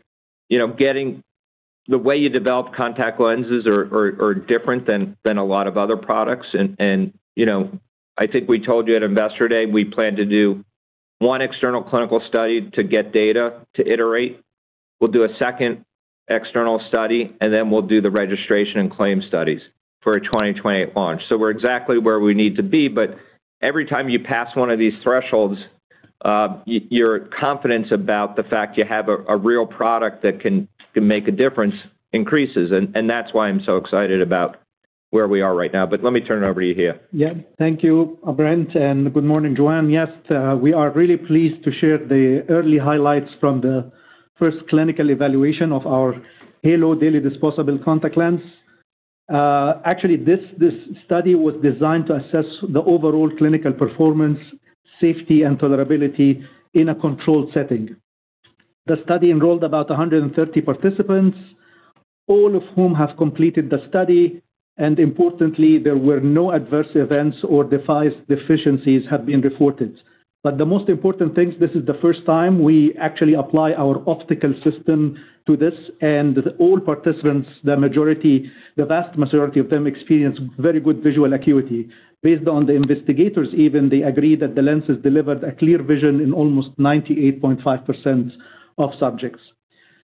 S3: You know, getting the way you develop contact lenses are different than a lot of other products. And you know, I think we told you at Investor Day, we plan to do one external clinical study to get data to iterate. We'll do a second external study, and then we'll do the registration and claim studies for a 2028 launch. So we're exactly where we need to be, but every time you pass one of these thresholds, your confidence about the fact you have a real product that can make a difference increases. And that's why I'm so excited about where we are right now. But let me turn it over to you, Yehia.
S9: Yeah. Thank you, Brent, and good morning, Joanne. Yes, we are really pleased to share the early highlights from the first clinical evaluation of our Halo daily disposable contact lens. Actually, this study was designed to assess the overall clinical performance, safety, and tolerability in a controlled setting. The study enrolled about 130 participants, all of whom have completed the study, and importantly, there were no adverse events or device deficiencies have been reported. But the most important thing, this is the first time we actually apply our optical system to this, and all participants, the majority, the vast majority of them, experienced very good visual acuity. Based on the investigators, even they agreed that the lenses delivered a clear vision in almost 98.5% of subjects.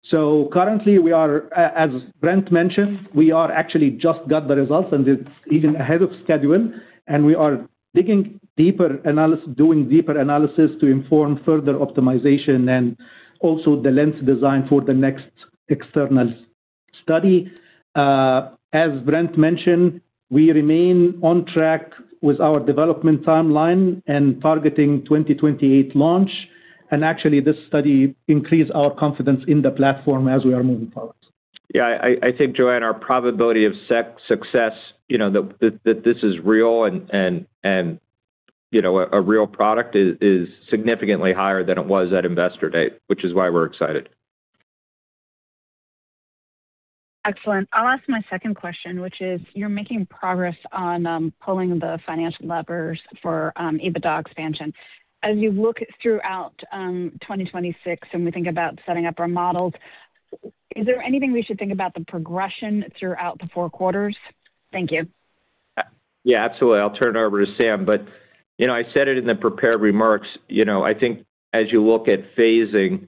S9: So currently, we are, as Brent mentioned, we are actually just got the results, and it's even ahead of schedule. We are doing deeper analysis to inform further optimization and also the lens design for the next external study. As Brent mentioned, we remain on track with our development timeline and targeting 2028 launch. Actually, this study increased our confidence in the platform as we are moving forward.
S3: Yeah, I think, Joanne, our probability of success, you know, that this is real and, you know, a real product is significantly higher than it was at Investor Date, which is why we're excited.
S8: Excellent. I'll ask my second question, which is: You're making progress on pulling the financial levers for EBITDA expansion. As you look throughout 2026 and we think about setting up our models, is there anything we should think about the progression throughout the four quarters? Thank you.
S3: Yeah, absolutely. I'll turn it over to Sam. But, you know, I said it in the prepared remarks, you know, I think as you look at phasing,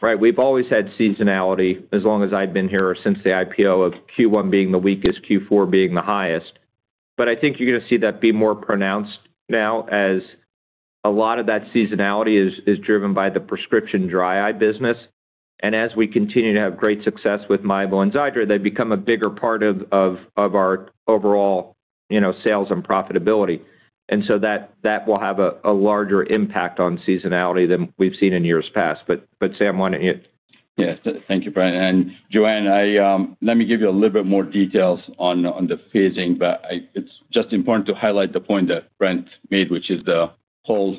S3: right, we've always had seasonality as long as I've been here or since the IPO of Q1 being the weakest, Q4 being the highest. But I think you're going to see that be more pronounced now, as a lot of that seasonality is driven by the prescription dry eye business. And as we continue to have great success with MIEBO and XIIDRA, they become a bigger part of our overall, you know, sales and profitability. And so that will have a larger impact on seasonality than we've seen in years past. But Sam, why don't you?
S4: Yeah. Thank you, Brent. And Joanne, I let me give you a little bit more details on the phasing. But it's just important to highlight the point that Brent made, which is the whole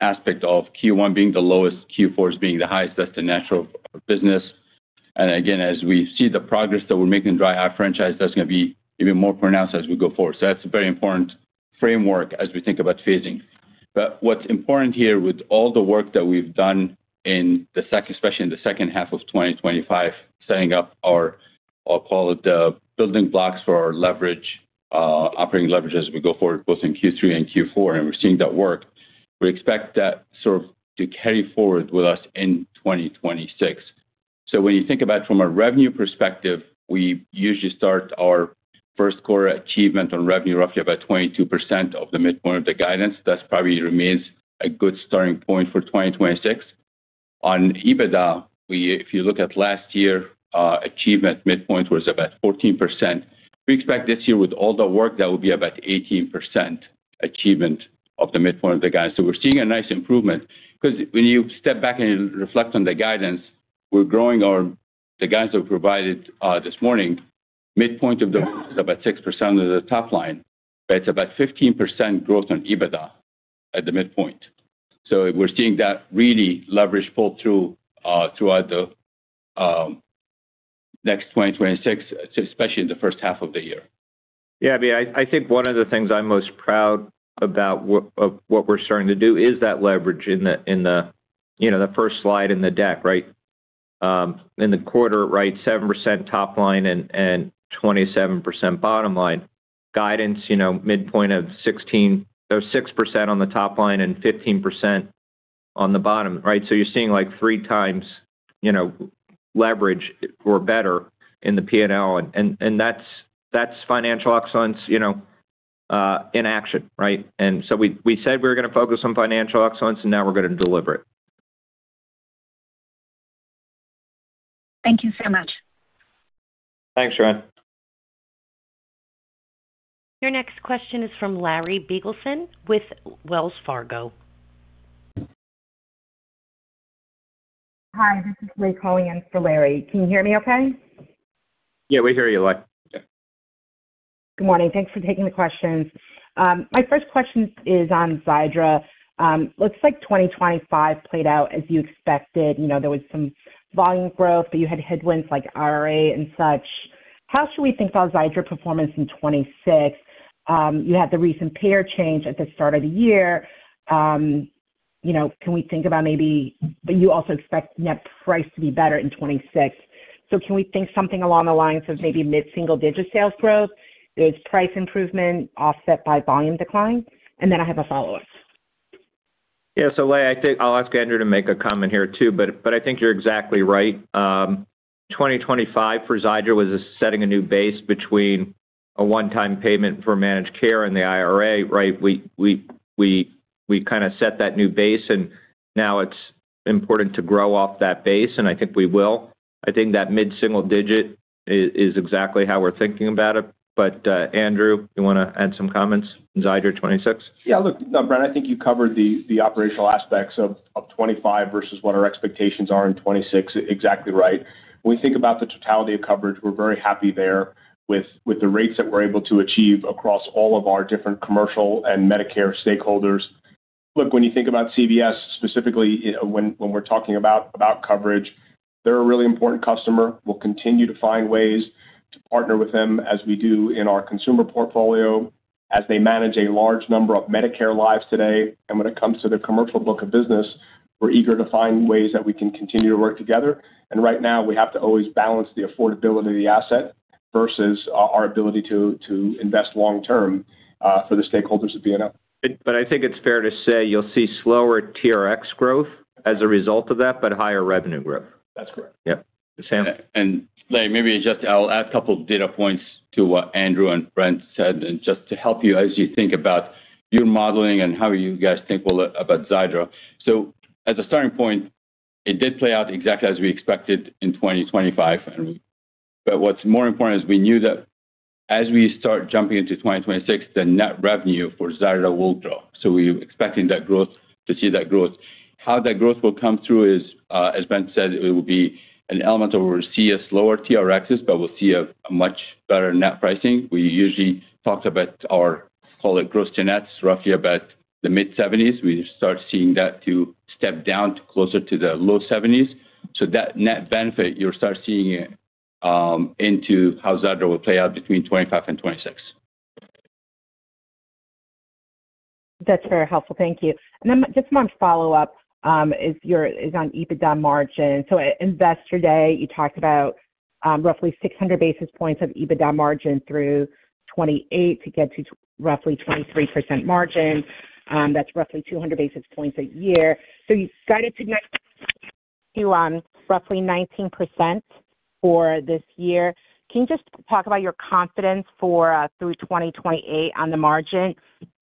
S4: aspect of Q1 being the lowest, Q4 is being the highest. That's the natural business. And again, as we see the progress that we're making in dry eye franchise, that's going to be even more pronounced as we go forward. So that's a very important framework as we think about phasing. But what's important here, with all the work that we've done in especially in the second half of 2025, setting up our, I'll call it, building blocks for our leverage, operating leverage as we go forward, both in Q3 and Q4, and we're seeing that work. We expect that sort of to carry forward with us in 2026. So when you think about from a revenue perspective, we usually start our first quarter achievement on revenue, roughly about 22% of the midpoint of the guidance. That's probably remains a good starting point for 2026. On EBITDA, if you look at last year, achievement midpoint was about 14%. We expect this year, with all the work, that will be about 18% achievement of the midpoint of the guidance. So we're seeing a nice improvement, because when you step back and reflect on the guidance, the guidance we provided this morning, midpoint of about 6% of the top line, but it's about 15% growth on EBITDA at the midpoint. So we're seeing that really leverage pull through throughout the next 2026, especially in the first half of the year.
S3: Yeah, I mean, I think one of the things I'm most proud about what, of what we're starting to do is that leverage in the, in the, you know, the first slide in the deck, right? In the quarter, right, 7% top line and 27% bottom line. Guidance, you know, midpoint of 16% or 6% on the top line and 15% on the bottom, right? So you're seeing, like, three times, you know, leverage or better in the P&L, and that's financial excellence, you know, in action, right? And so we said we were going to focus on financial excellence, and now we're going to deliver it.
S8: Thank you so much.
S3: Thanks, Joanne.
S1: Your next question is from Larry Biegelsen with Wells Fargo.
S10: Hi, this is Leigh calling in for Larry. Can you hear me okay?
S3: Yeah, we hear you, Leigh. Yeah.
S10: Good morning. Thanks for taking the questions. My first question is on XIIDRA. Looks like 2025 played out as you expected. You know, there was some volume growth, but you had headwinds like RA and such. How should we think about XIIDRA performance in 2026? You had the recent payer change at the start of the year. You know, can we think about maybe, but you also expect net price to be better in 2026. So can we think something along the lines of maybe mid-single-digit sales growth? Is price improvement offset by volume decline? And then I have a follow-up.
S3: Yeah. So, Leigh, I think I'll ask Andrew to make a comment here, too, but I think you're exactly right. 2025 for XIIDRA was setting a new base between a one-time payment for managed care and the IRA, right? We kind of set that new base, and now it's important to grow off that base, and I think we will. I think that mid-single digit is exactly how we're thinking about it. But, Andrew, you want to add some comments on XIIDRA 2026?
S5: Yeah, look, Brent, I think you covered the operational aspects of 2025 versus what our expectations are in 2026 exactly right. When we think about the totality of coverage, we're very happy there with the rates that we're able to achieve across all of our different commercial and Medicare stakeholders. Look, when you think about CVS, specifically, you know, when we're talking about coverage, they're a really important customer. We'll continue to find ways to partner with them as we do in our consumer portfolio, as they manage a large number of Medicare lives today. And when it comes to their commercial book of business, we're eager to find ways that we can continue to work together. And right now, we have to always balance the affordability of the asset versus our ability to invest long term for the stakeholders of BLCO.
S3: But I think it's fair to say you'll see slower TRx growth as a result of that, but higher revenue growth.
S5: That's correct.
S3: Yeah. Sam?
S4: Leigh, maybe just I'll add a couple of data points to what Andrew and Brent said, and just to help you as you think about your modeling and how you guys think about XIIDRA. So as a starting point, it did play out exactly as we expected in 2025. But what's more important is we knew that as we start jumping into 2026, the net revenue for XIIDRA will grow. So we're expecting that growth, to see that growth. How that growth will come through is, as Brent said, it will be an element of where we see a slower TRxs, but we'll see a much better net pricing. We usually talked about our, call it, gross to nets, roughly about the mid-70s. We start seeing that to step down to closer to the low-70s. That net benefit, you'll start seeing it into how XIIDRA will play out between 2025 and 2026.
S10: That's very helpful. Thank you. And then just one follow-up, is on EBITDA margin. So at Investor Day, you talked about roughly 600 basis points of EBITDA margin through 2028 to get to roughly 23% margin. That's roughly 200 basis points a year. So you guided to net to roughly 19% for this year. Can you just talk about your confidence for through 2028 on the margin?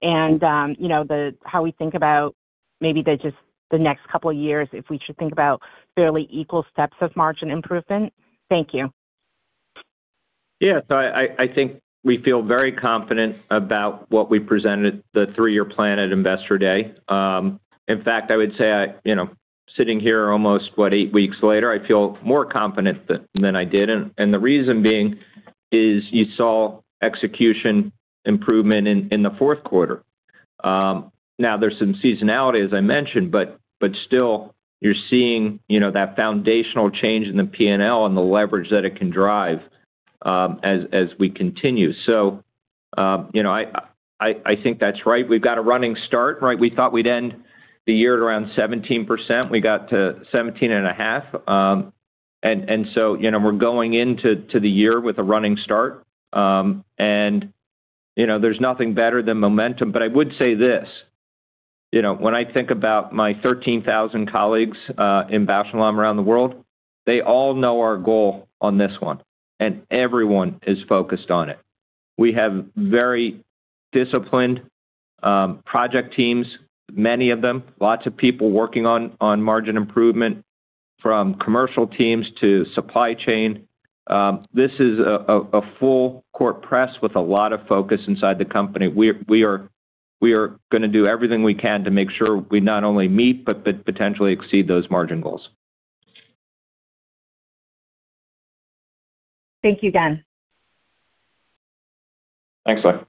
S10: And you know, how we think about maybe just the next couple of years, if we should think about fairly equal steps of margin improvement. Thank you.
S3: Yeah. So I think we feel very confident about what we presented, the three-year plan at Investor Day. In fact, I would say, you know, sitting here almost, what, eight weeks later, I feel more confident than I did, and the reason being is you saw execution improvement in the fourth quarter. Now there's some seasonality, as I mentioned, but still, you're seeing, you know, that foundational change in the P&L and the leverage that it can drive, as we continue. So, you know, I think that's right. We've got a running start, right? We thought we'd end the year at around 17%. We got to 17.5%. And so, you know, we're going into the year with a running start. And, you know, there's nothing better than momentum. But I would say this: You know, when I think about my 13,000 colleagues in Bausch + Lomb around the world, they all know our goal on this one, and everyone is focused on it. We have very disciplined project teams, many of them, lots of people working on margin improvement, from commercial teams to supply chain. This is a full court press with a lot of focus inside the company. We are gonna do everything we can to make sure we not only meet, but potentially exceed those margin goals.
S10: Thank you, again.
S3: Thanks, Leigh.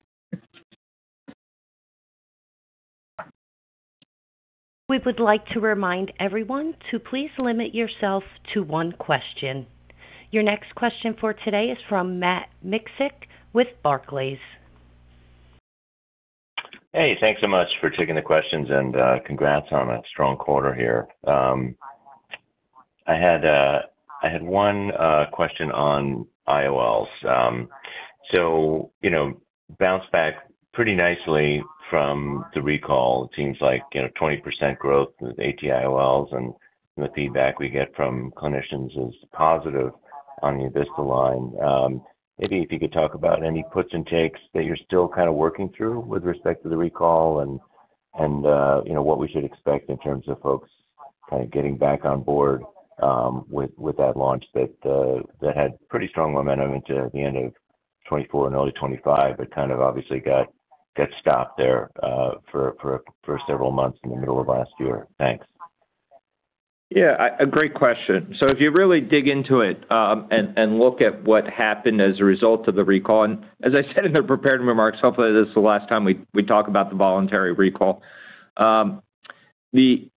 S1: We would like to remind everyone to please limit yourself to one question. Your next question for today is from Matt Miksic with Barclays.
S11: Hey, thanks so much for taking the questions, and congrats on a strong quarter here. I had one question on IOLs. So, you know, bounced back pretty nicely from the recall. It seems like, you know, 20% growth with ATIOLs, and the feedback we get from clinicians is positive on the enVista line. Maybe if you could talk about any puts and takes that you're still kind of working through with respect to the recall and, and you know, what we should expect in terms of folks kind of getting back on board with that launch that had pretty strong momentum into the end of 2024 and early 2025, but kind of obviously got stopped there for several months in the middle of last year. Thanks.
S3: Yeah, a great question. So if you really dig into it, and look at what happened as a result of the recall, and as I said in the prepared remarks, hopefully, this is the last time we talk about the voluntary recall. The, you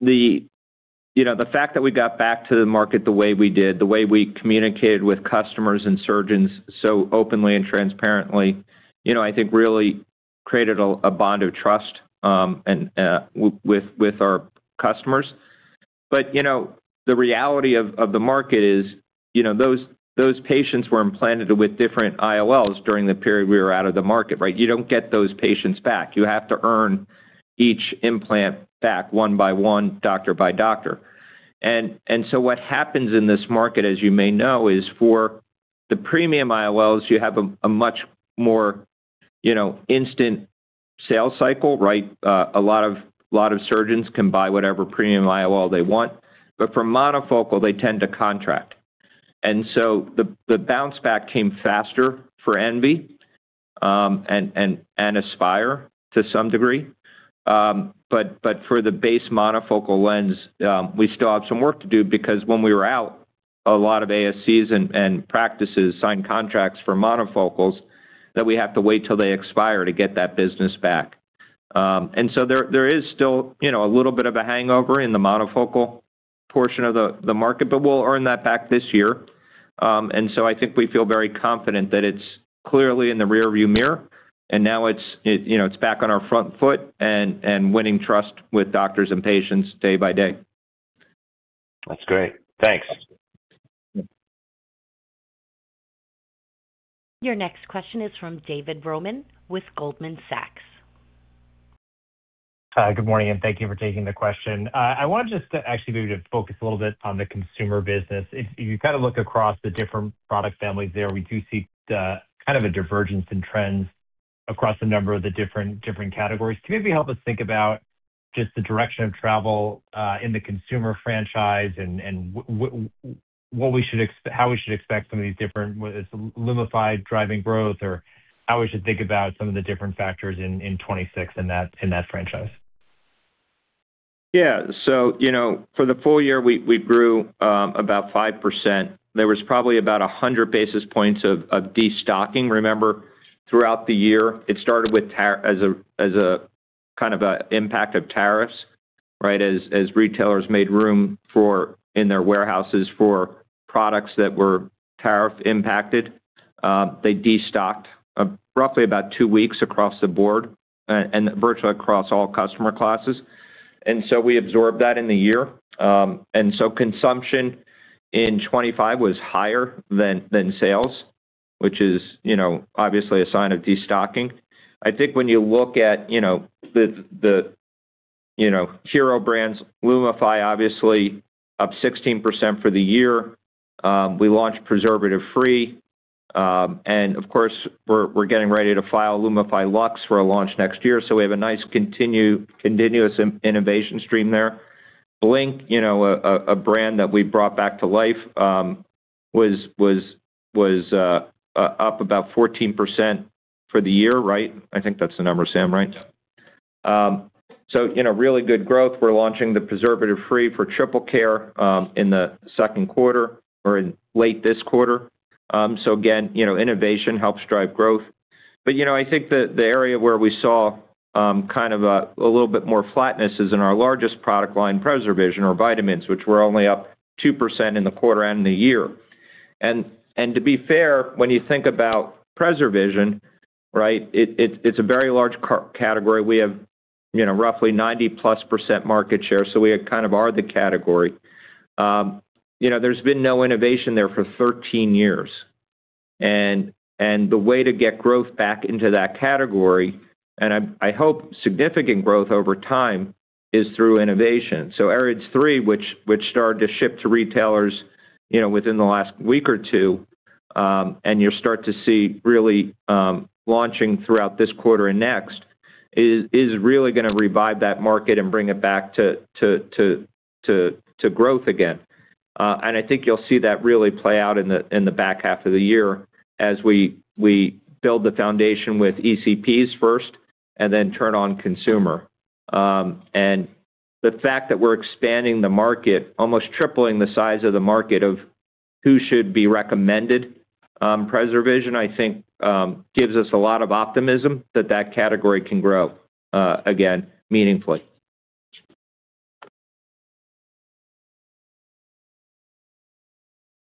S3: know, the fact that we got back to the market the way we did, the way we communicated with customers and surgeons so openly and transparently, you know, I think really created a bond of trust, and with our customers. But, you know, the reality of the market is, you know, those patients were implanted with different IOLs during the period we were out of the market, right? You don't get those patients back. You have to earn each implant back one by one, doctor by doctor. So what happens in this market, as you may know, is for the premium IOLs, you have a much more, you know, instant sales cycle, right? A lot of surgeons can buy whatever premium IOL they want, but for monofocal, they tend to contract. And so the bounce back came faster for enVista, and Aspire to some degree. But for the base monofocal lens, we still have some work to do because when we were out, a lot of ASCs and practices signed contracts for monofocals that we have to wait till they expire to get that business back. And so there is still, you know, a little bit of a hangover in the monofocal portion of the market, but we'll earn that back this year. And so I think we feel very confident that it's clearly in the rearview mirror, and now it's, you know, it's back on our front foot and winning trust with doctors and patients day by day.
S11: That's great. Thanks.
S1: Your next question is from David Roman with Goldman Sachs.
S12: Hi, good morning, and thank you for taking the question. I want just to actually maybe to focus a little bit on the consumer business. If you kind of look across the different product families there, we do see kind of a divergence in trends across a number of the different, different categories. Can you maybe help us think about just the direction of travel in the consumer franchise and what we should expect, how we should expect some of these different, whether it's LUMIFY driving growth or how we should think about some of the different factors in 2026 in that franchise?
S3: Yeah. So, you know, for the full year, we grew about 5%. There was probably about 100 basis points of destocking. Remember, throughout the year, it started with, as a kind of a impact of tariffs, right? As retailers made room in their warehouses for products that were tariff impacted, they destocked roughly about two weeks across the board and virtually across all customer classes. And so we absorbed that in the year. And so consumption in 2025 was higher than sales, which is, you know, obviously a sign of destocking. I think when you look at, you know, the hero brands, LUMIFY, obviously up 16% for the year. We launched preservative free, and of course, we're getting ready to file LUMIFY Lux for a launch next year. So we have a nice continuous innovation stream there. Blink, you know, a brand that we brought back to life, was up about 14% for the year, right? I think that's the number, Sam, right?
S4: Yeah.
S3: So, you know, really good growth. We're launching the preservative-free for Triple Care in the second quarter or in late this quarter. So again, you know, innovation helps drive growth. But, you know, I think the area where we saw kind of a little bit more flatness is in our largest product line, PreserVision or vitamins, which were only up 2% in the quarter and the year. And to be fair, when you think about PreserVision, right, it's a very large category. We have, you know, roughly 90+% market share, so we kind of are the category. You know, there's been no innovation there for 13 years, and the way to get growth back into that category, and I hope significant growth over time, is through innovation. So AREDS 3, which started to ship to retailers, you know, within the last week or two, and you'll start to see really launching throughout this quarter and next, is really going to revive that market and bring it back to growth again. And I think you'll see that really play out in the back half of the year as we build the foundation with ECPs first and then turn on consumer. And the fact that we're expanding the market, almost tripling the size of the market of who should be recommended on PreserVision, I think, gives us a lot of optimism that that category can grow again, meaningfully.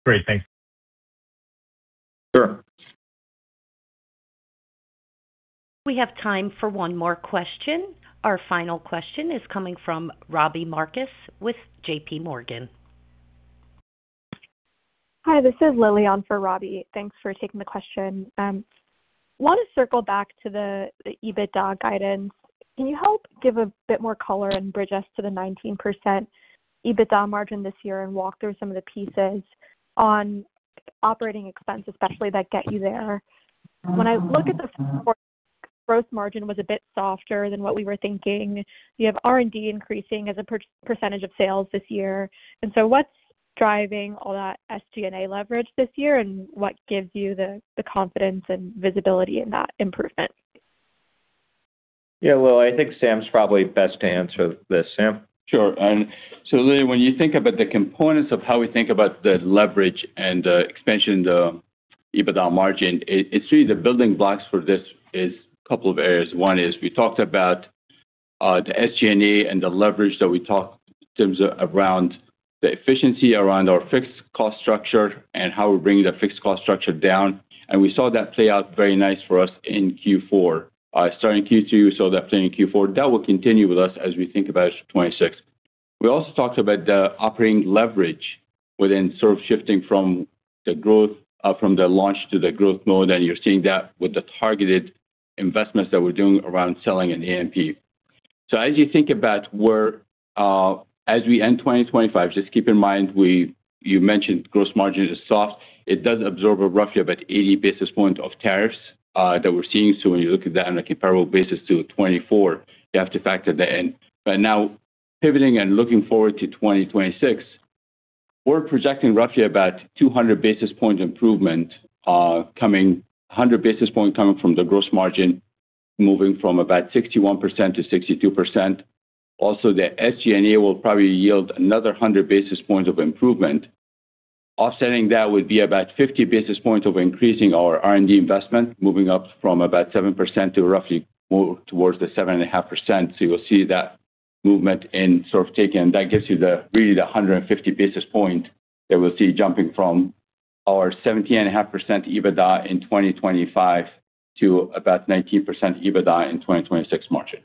S12: Great. Thanks.
S3: Sure.
S1: We have time for one more question. Our final question is coming from Robbie Marcus with JP Morgan.
S13: Hi, this is Lily on for Robbie. Thanks for taking the question. Want to circle back to the, the EBITDA guidance. Can you help give a bit more color and bridge us to the 19% EBITDA margin this year and walk through some of the pieces on operating expense, especially that get you there? When I look at the fourth quarter, gross margin was a bit softer than what we were thinking. You have R&D increasing as a percentage of sales this year. And so what's driving all that SG&A leverage this year, and what gives you the, the confidence and visibility in that improvement?
S3: Yeah, Lily, I think Sam's probably best to answer this. Sam?
S4: Sure. So Lily, when you think about the components of how we think about the leverage and expansion, the EBITDA margin, it's really the building blocks for this is a couple of areas. One is we talked about the SG&A and the leverage that we talked in terms of around the efficiency, around our fixed cost structure and how we're bringing the fixed cost structure down. And we saw that play out very nice for us in Q4. Starting Q2, so that playing in Q4, that will continue with us as we think about 2026. We also talked about the operating leverage within sort of shifting from the growth from the launch to the growth mode, and you're seeing that with the targeted investments that we're doing around selling and AMP. So as you think about where, as we end 2025, just keep in mind we - you mentioned gross margin is soft. It does absorb roughly about 80 basis points of tariffs that we're seeing. So when you look at that on a comparable basis to 2024, you have to factor that in. But now, pivoting and looking forward to 2026, we're projecting roughly about 200 basis point improvement, coming 100 basis point coming from the gross margin, moving from about 61% to 62%. Also, the SG&A will probably yield another 100 basis points of improvement. Offsetting that would be about 50 basis points of increasing our R&D investment, moving up from about 7% to roughly more towards the 7.5%. So you will see that movement in sort of taken, that gives you the, really the 150 basis point that we'll see jumping from our 17.5% EBITDA in 2025 to about 19% EBITDA in 2026 margin.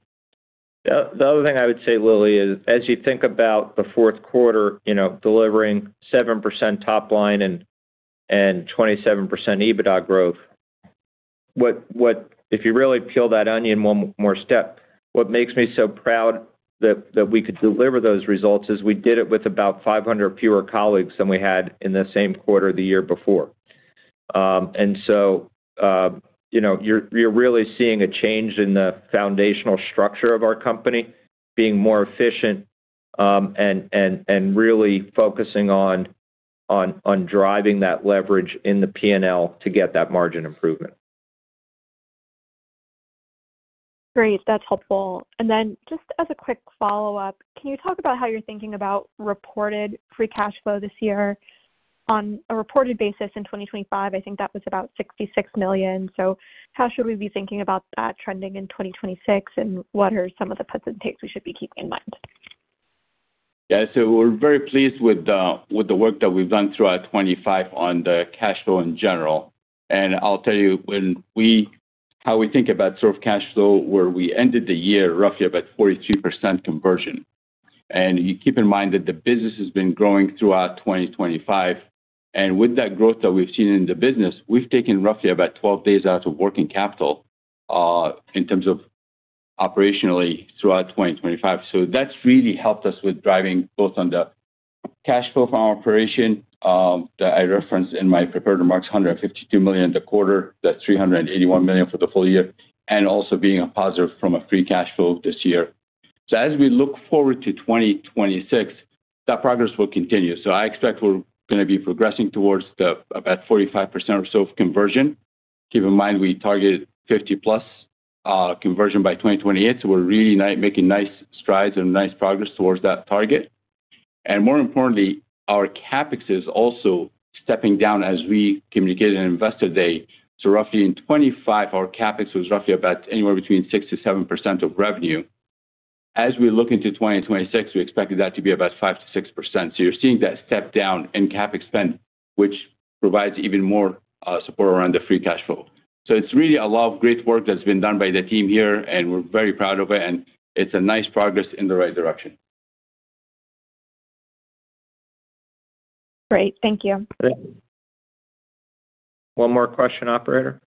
S3: The other thing I would say, Lily, is as you think about the fourth quarter, you know, delivering 7% top line and 27% EBITDA growth, what if you really peel that onion one more step, what makes me so proud that we could deliver those results is we did it with about 500 fewer colleagues than we had in the same quarter the year before. And so, you know, you're really seeing a change in the foundational structure of our company, being more efficient, and really focusing on driving that leverage in the P&L to get that margin improvement.
S13: Great. That's helpful. And then just as a quick follow-up, can you talk about how you're thinking about reported free cash flow this year? On a reported basis in 2025, I think that was about $66 million. So how should we be thinking about that trending in 2026, and what are some of the puts and takes we should be keeping in mind?
S4: Yeah. So we're very pleased with the work that we've done throughout 2025 on the cash flow in general. And I'll tell you how we think about sort of cash flow, where we ended the year, roughly about 42% conversion. And you keep in mind that the business has been growing throughout 2025, and with that growth that we've seen in the business, we've taken roughly about 12 days out of working capital in terms of operationally throughout 2025. So that's really helped us with driving both on the cash flow from our operation that I referenced in my prepared remarks, $152 million in the quarter, that's $381 million for the full year, and also being a positive from a free cash flow this year. So as we look forward to 2026, that progress will continue. So I expect we're gonna be progressing towards the about 45% or so of conversion. Keep in mind, we targeted 50+ conversion by 2028, so we're really making nice strides and nice progress towards that target. And more importantly, our CapEx is also stepping down as we communicated in Investor Day. So roughly in 2025, our CapEx was roughly about anywhere between 6%-7% of revenue. As we look into 2026, we expected that to be about 5%-6%. So you're seeing that step down in CapEx spend, which provides even more, support around the free cash flow. So it's really a lot of great work that's been done by the team here, and we're very proud of it, and it's a nice progress in the right direction.
S13: Great. Thank you.
S4: Great.
S3: One more question, operator.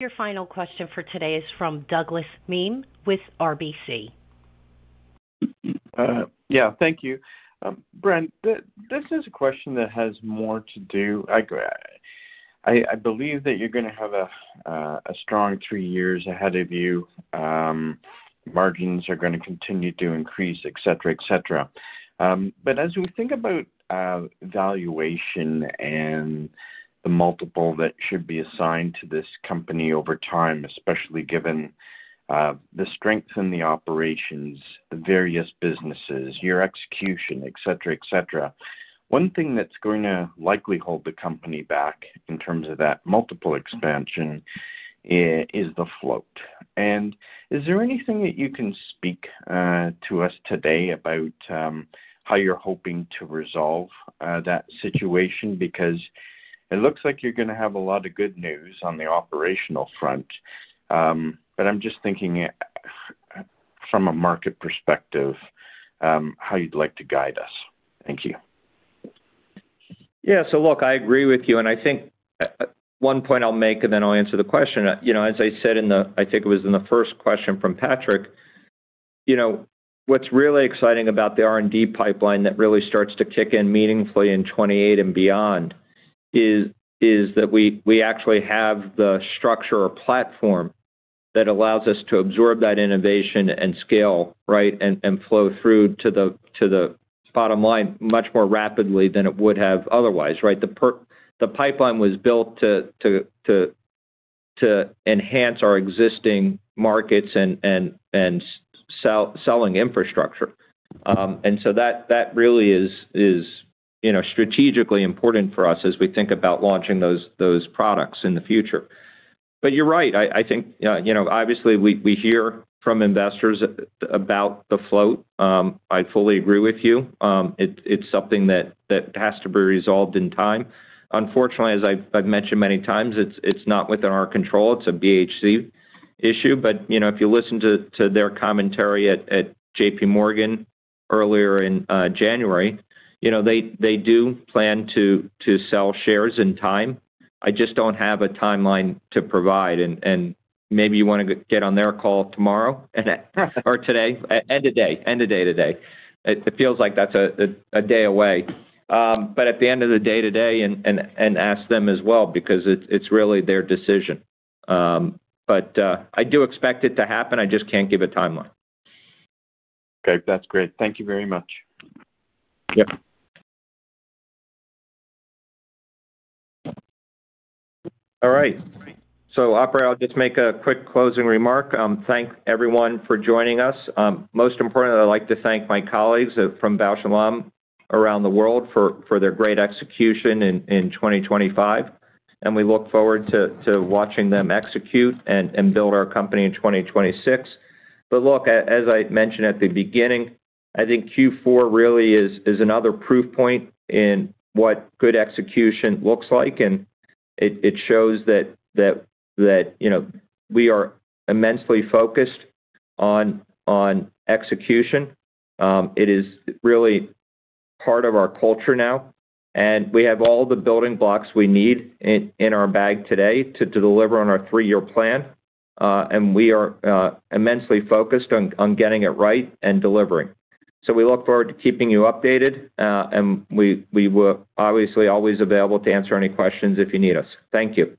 S1: Your final question for today is from Douglas Miehm with RBC.
S14: Yeah, thank you. Brent, this is a question that has more to do—I believe that you're gonna have a strong three years ahead of you. Margins are gonna continue to increase, et cetera, et cetera. But as we think about valuation and the multiple that should be assigned to this company over time, especially given the strength in the operations, the various businesses, your execution, et cetera, et cetera. One thing that's going to likely hold the company back in terms of that multiple expansion is the float. Is there anything that you can speak to us today about how you're hoping to resolve that situation? Because it looks like you're gonna have a lot of good news on the operational front, but I'm just thinking, from a market perspective, how you'd like to guide us. Thank you.
S3: Yeah. So look, I agree with you, and I think, one point I'll make, and then I'll answer the question. You know, as I said in the, I think it was in the first question from Patrick, you know, what's really exciting about the R&D pipeline that really starts to kick in meaningfully in 2028 and beyond is that we actually have the structure or platform that allows us to absorb that innovation and scale, right, and flow through to the bottom line much more rapidly than it would have otherwise, right? The pipeline was built to enhance our existing markets and selling infrastructure. And so that really is, you know, strategically important for us as we think about launching those products in the future. But you're right. I think, you know, obviously, we hear from investors about the float. I fully agree with you. It's something that has to be resolved in time. Unfortunately, as I've mentioned many times, it's not within our control. It's a BHC issue. But, you know, if you listen to their commentary at JPMorgan earlier in January, you know, they do plan to sell shares in time. I just don't have a timeline to provide, and maybe you wanna get on their call tomorrow, or today, end of day today. It feels like that's a day away. But at the end of the day today and ask them as well, because it's really their decision. But I do expect it to happen. I just can't give a timeline.
S14: Okay. That's great. Thank you very much.
S3: Yep. All right. So I'll just make a quick closing remark. Thank everyone for joining us. Most importantly, I'd like to thank my colleagues from Bausch + Lomb around the world for their great execution in 2025, and we look forward to watching them execute and build our company in 2026. But look, as I mentioned at the beginning, I think Q4 really is another proof point in what good execution looks like, and it shows that you know, we are immensely focused on execution. It is really part of our culture now, and we have all the building blocks we need in our bag today to deliver on our three-year plan. And we are immensely focused on getting it right and delivering. We look forward to keeping you updated, and we were obviously always available to answer any questions if you need us. Thank you.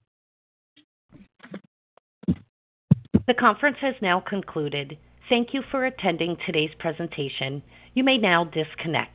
S1: The conference has now concluded. Thank you for attending today's presentation. You may now disconnect.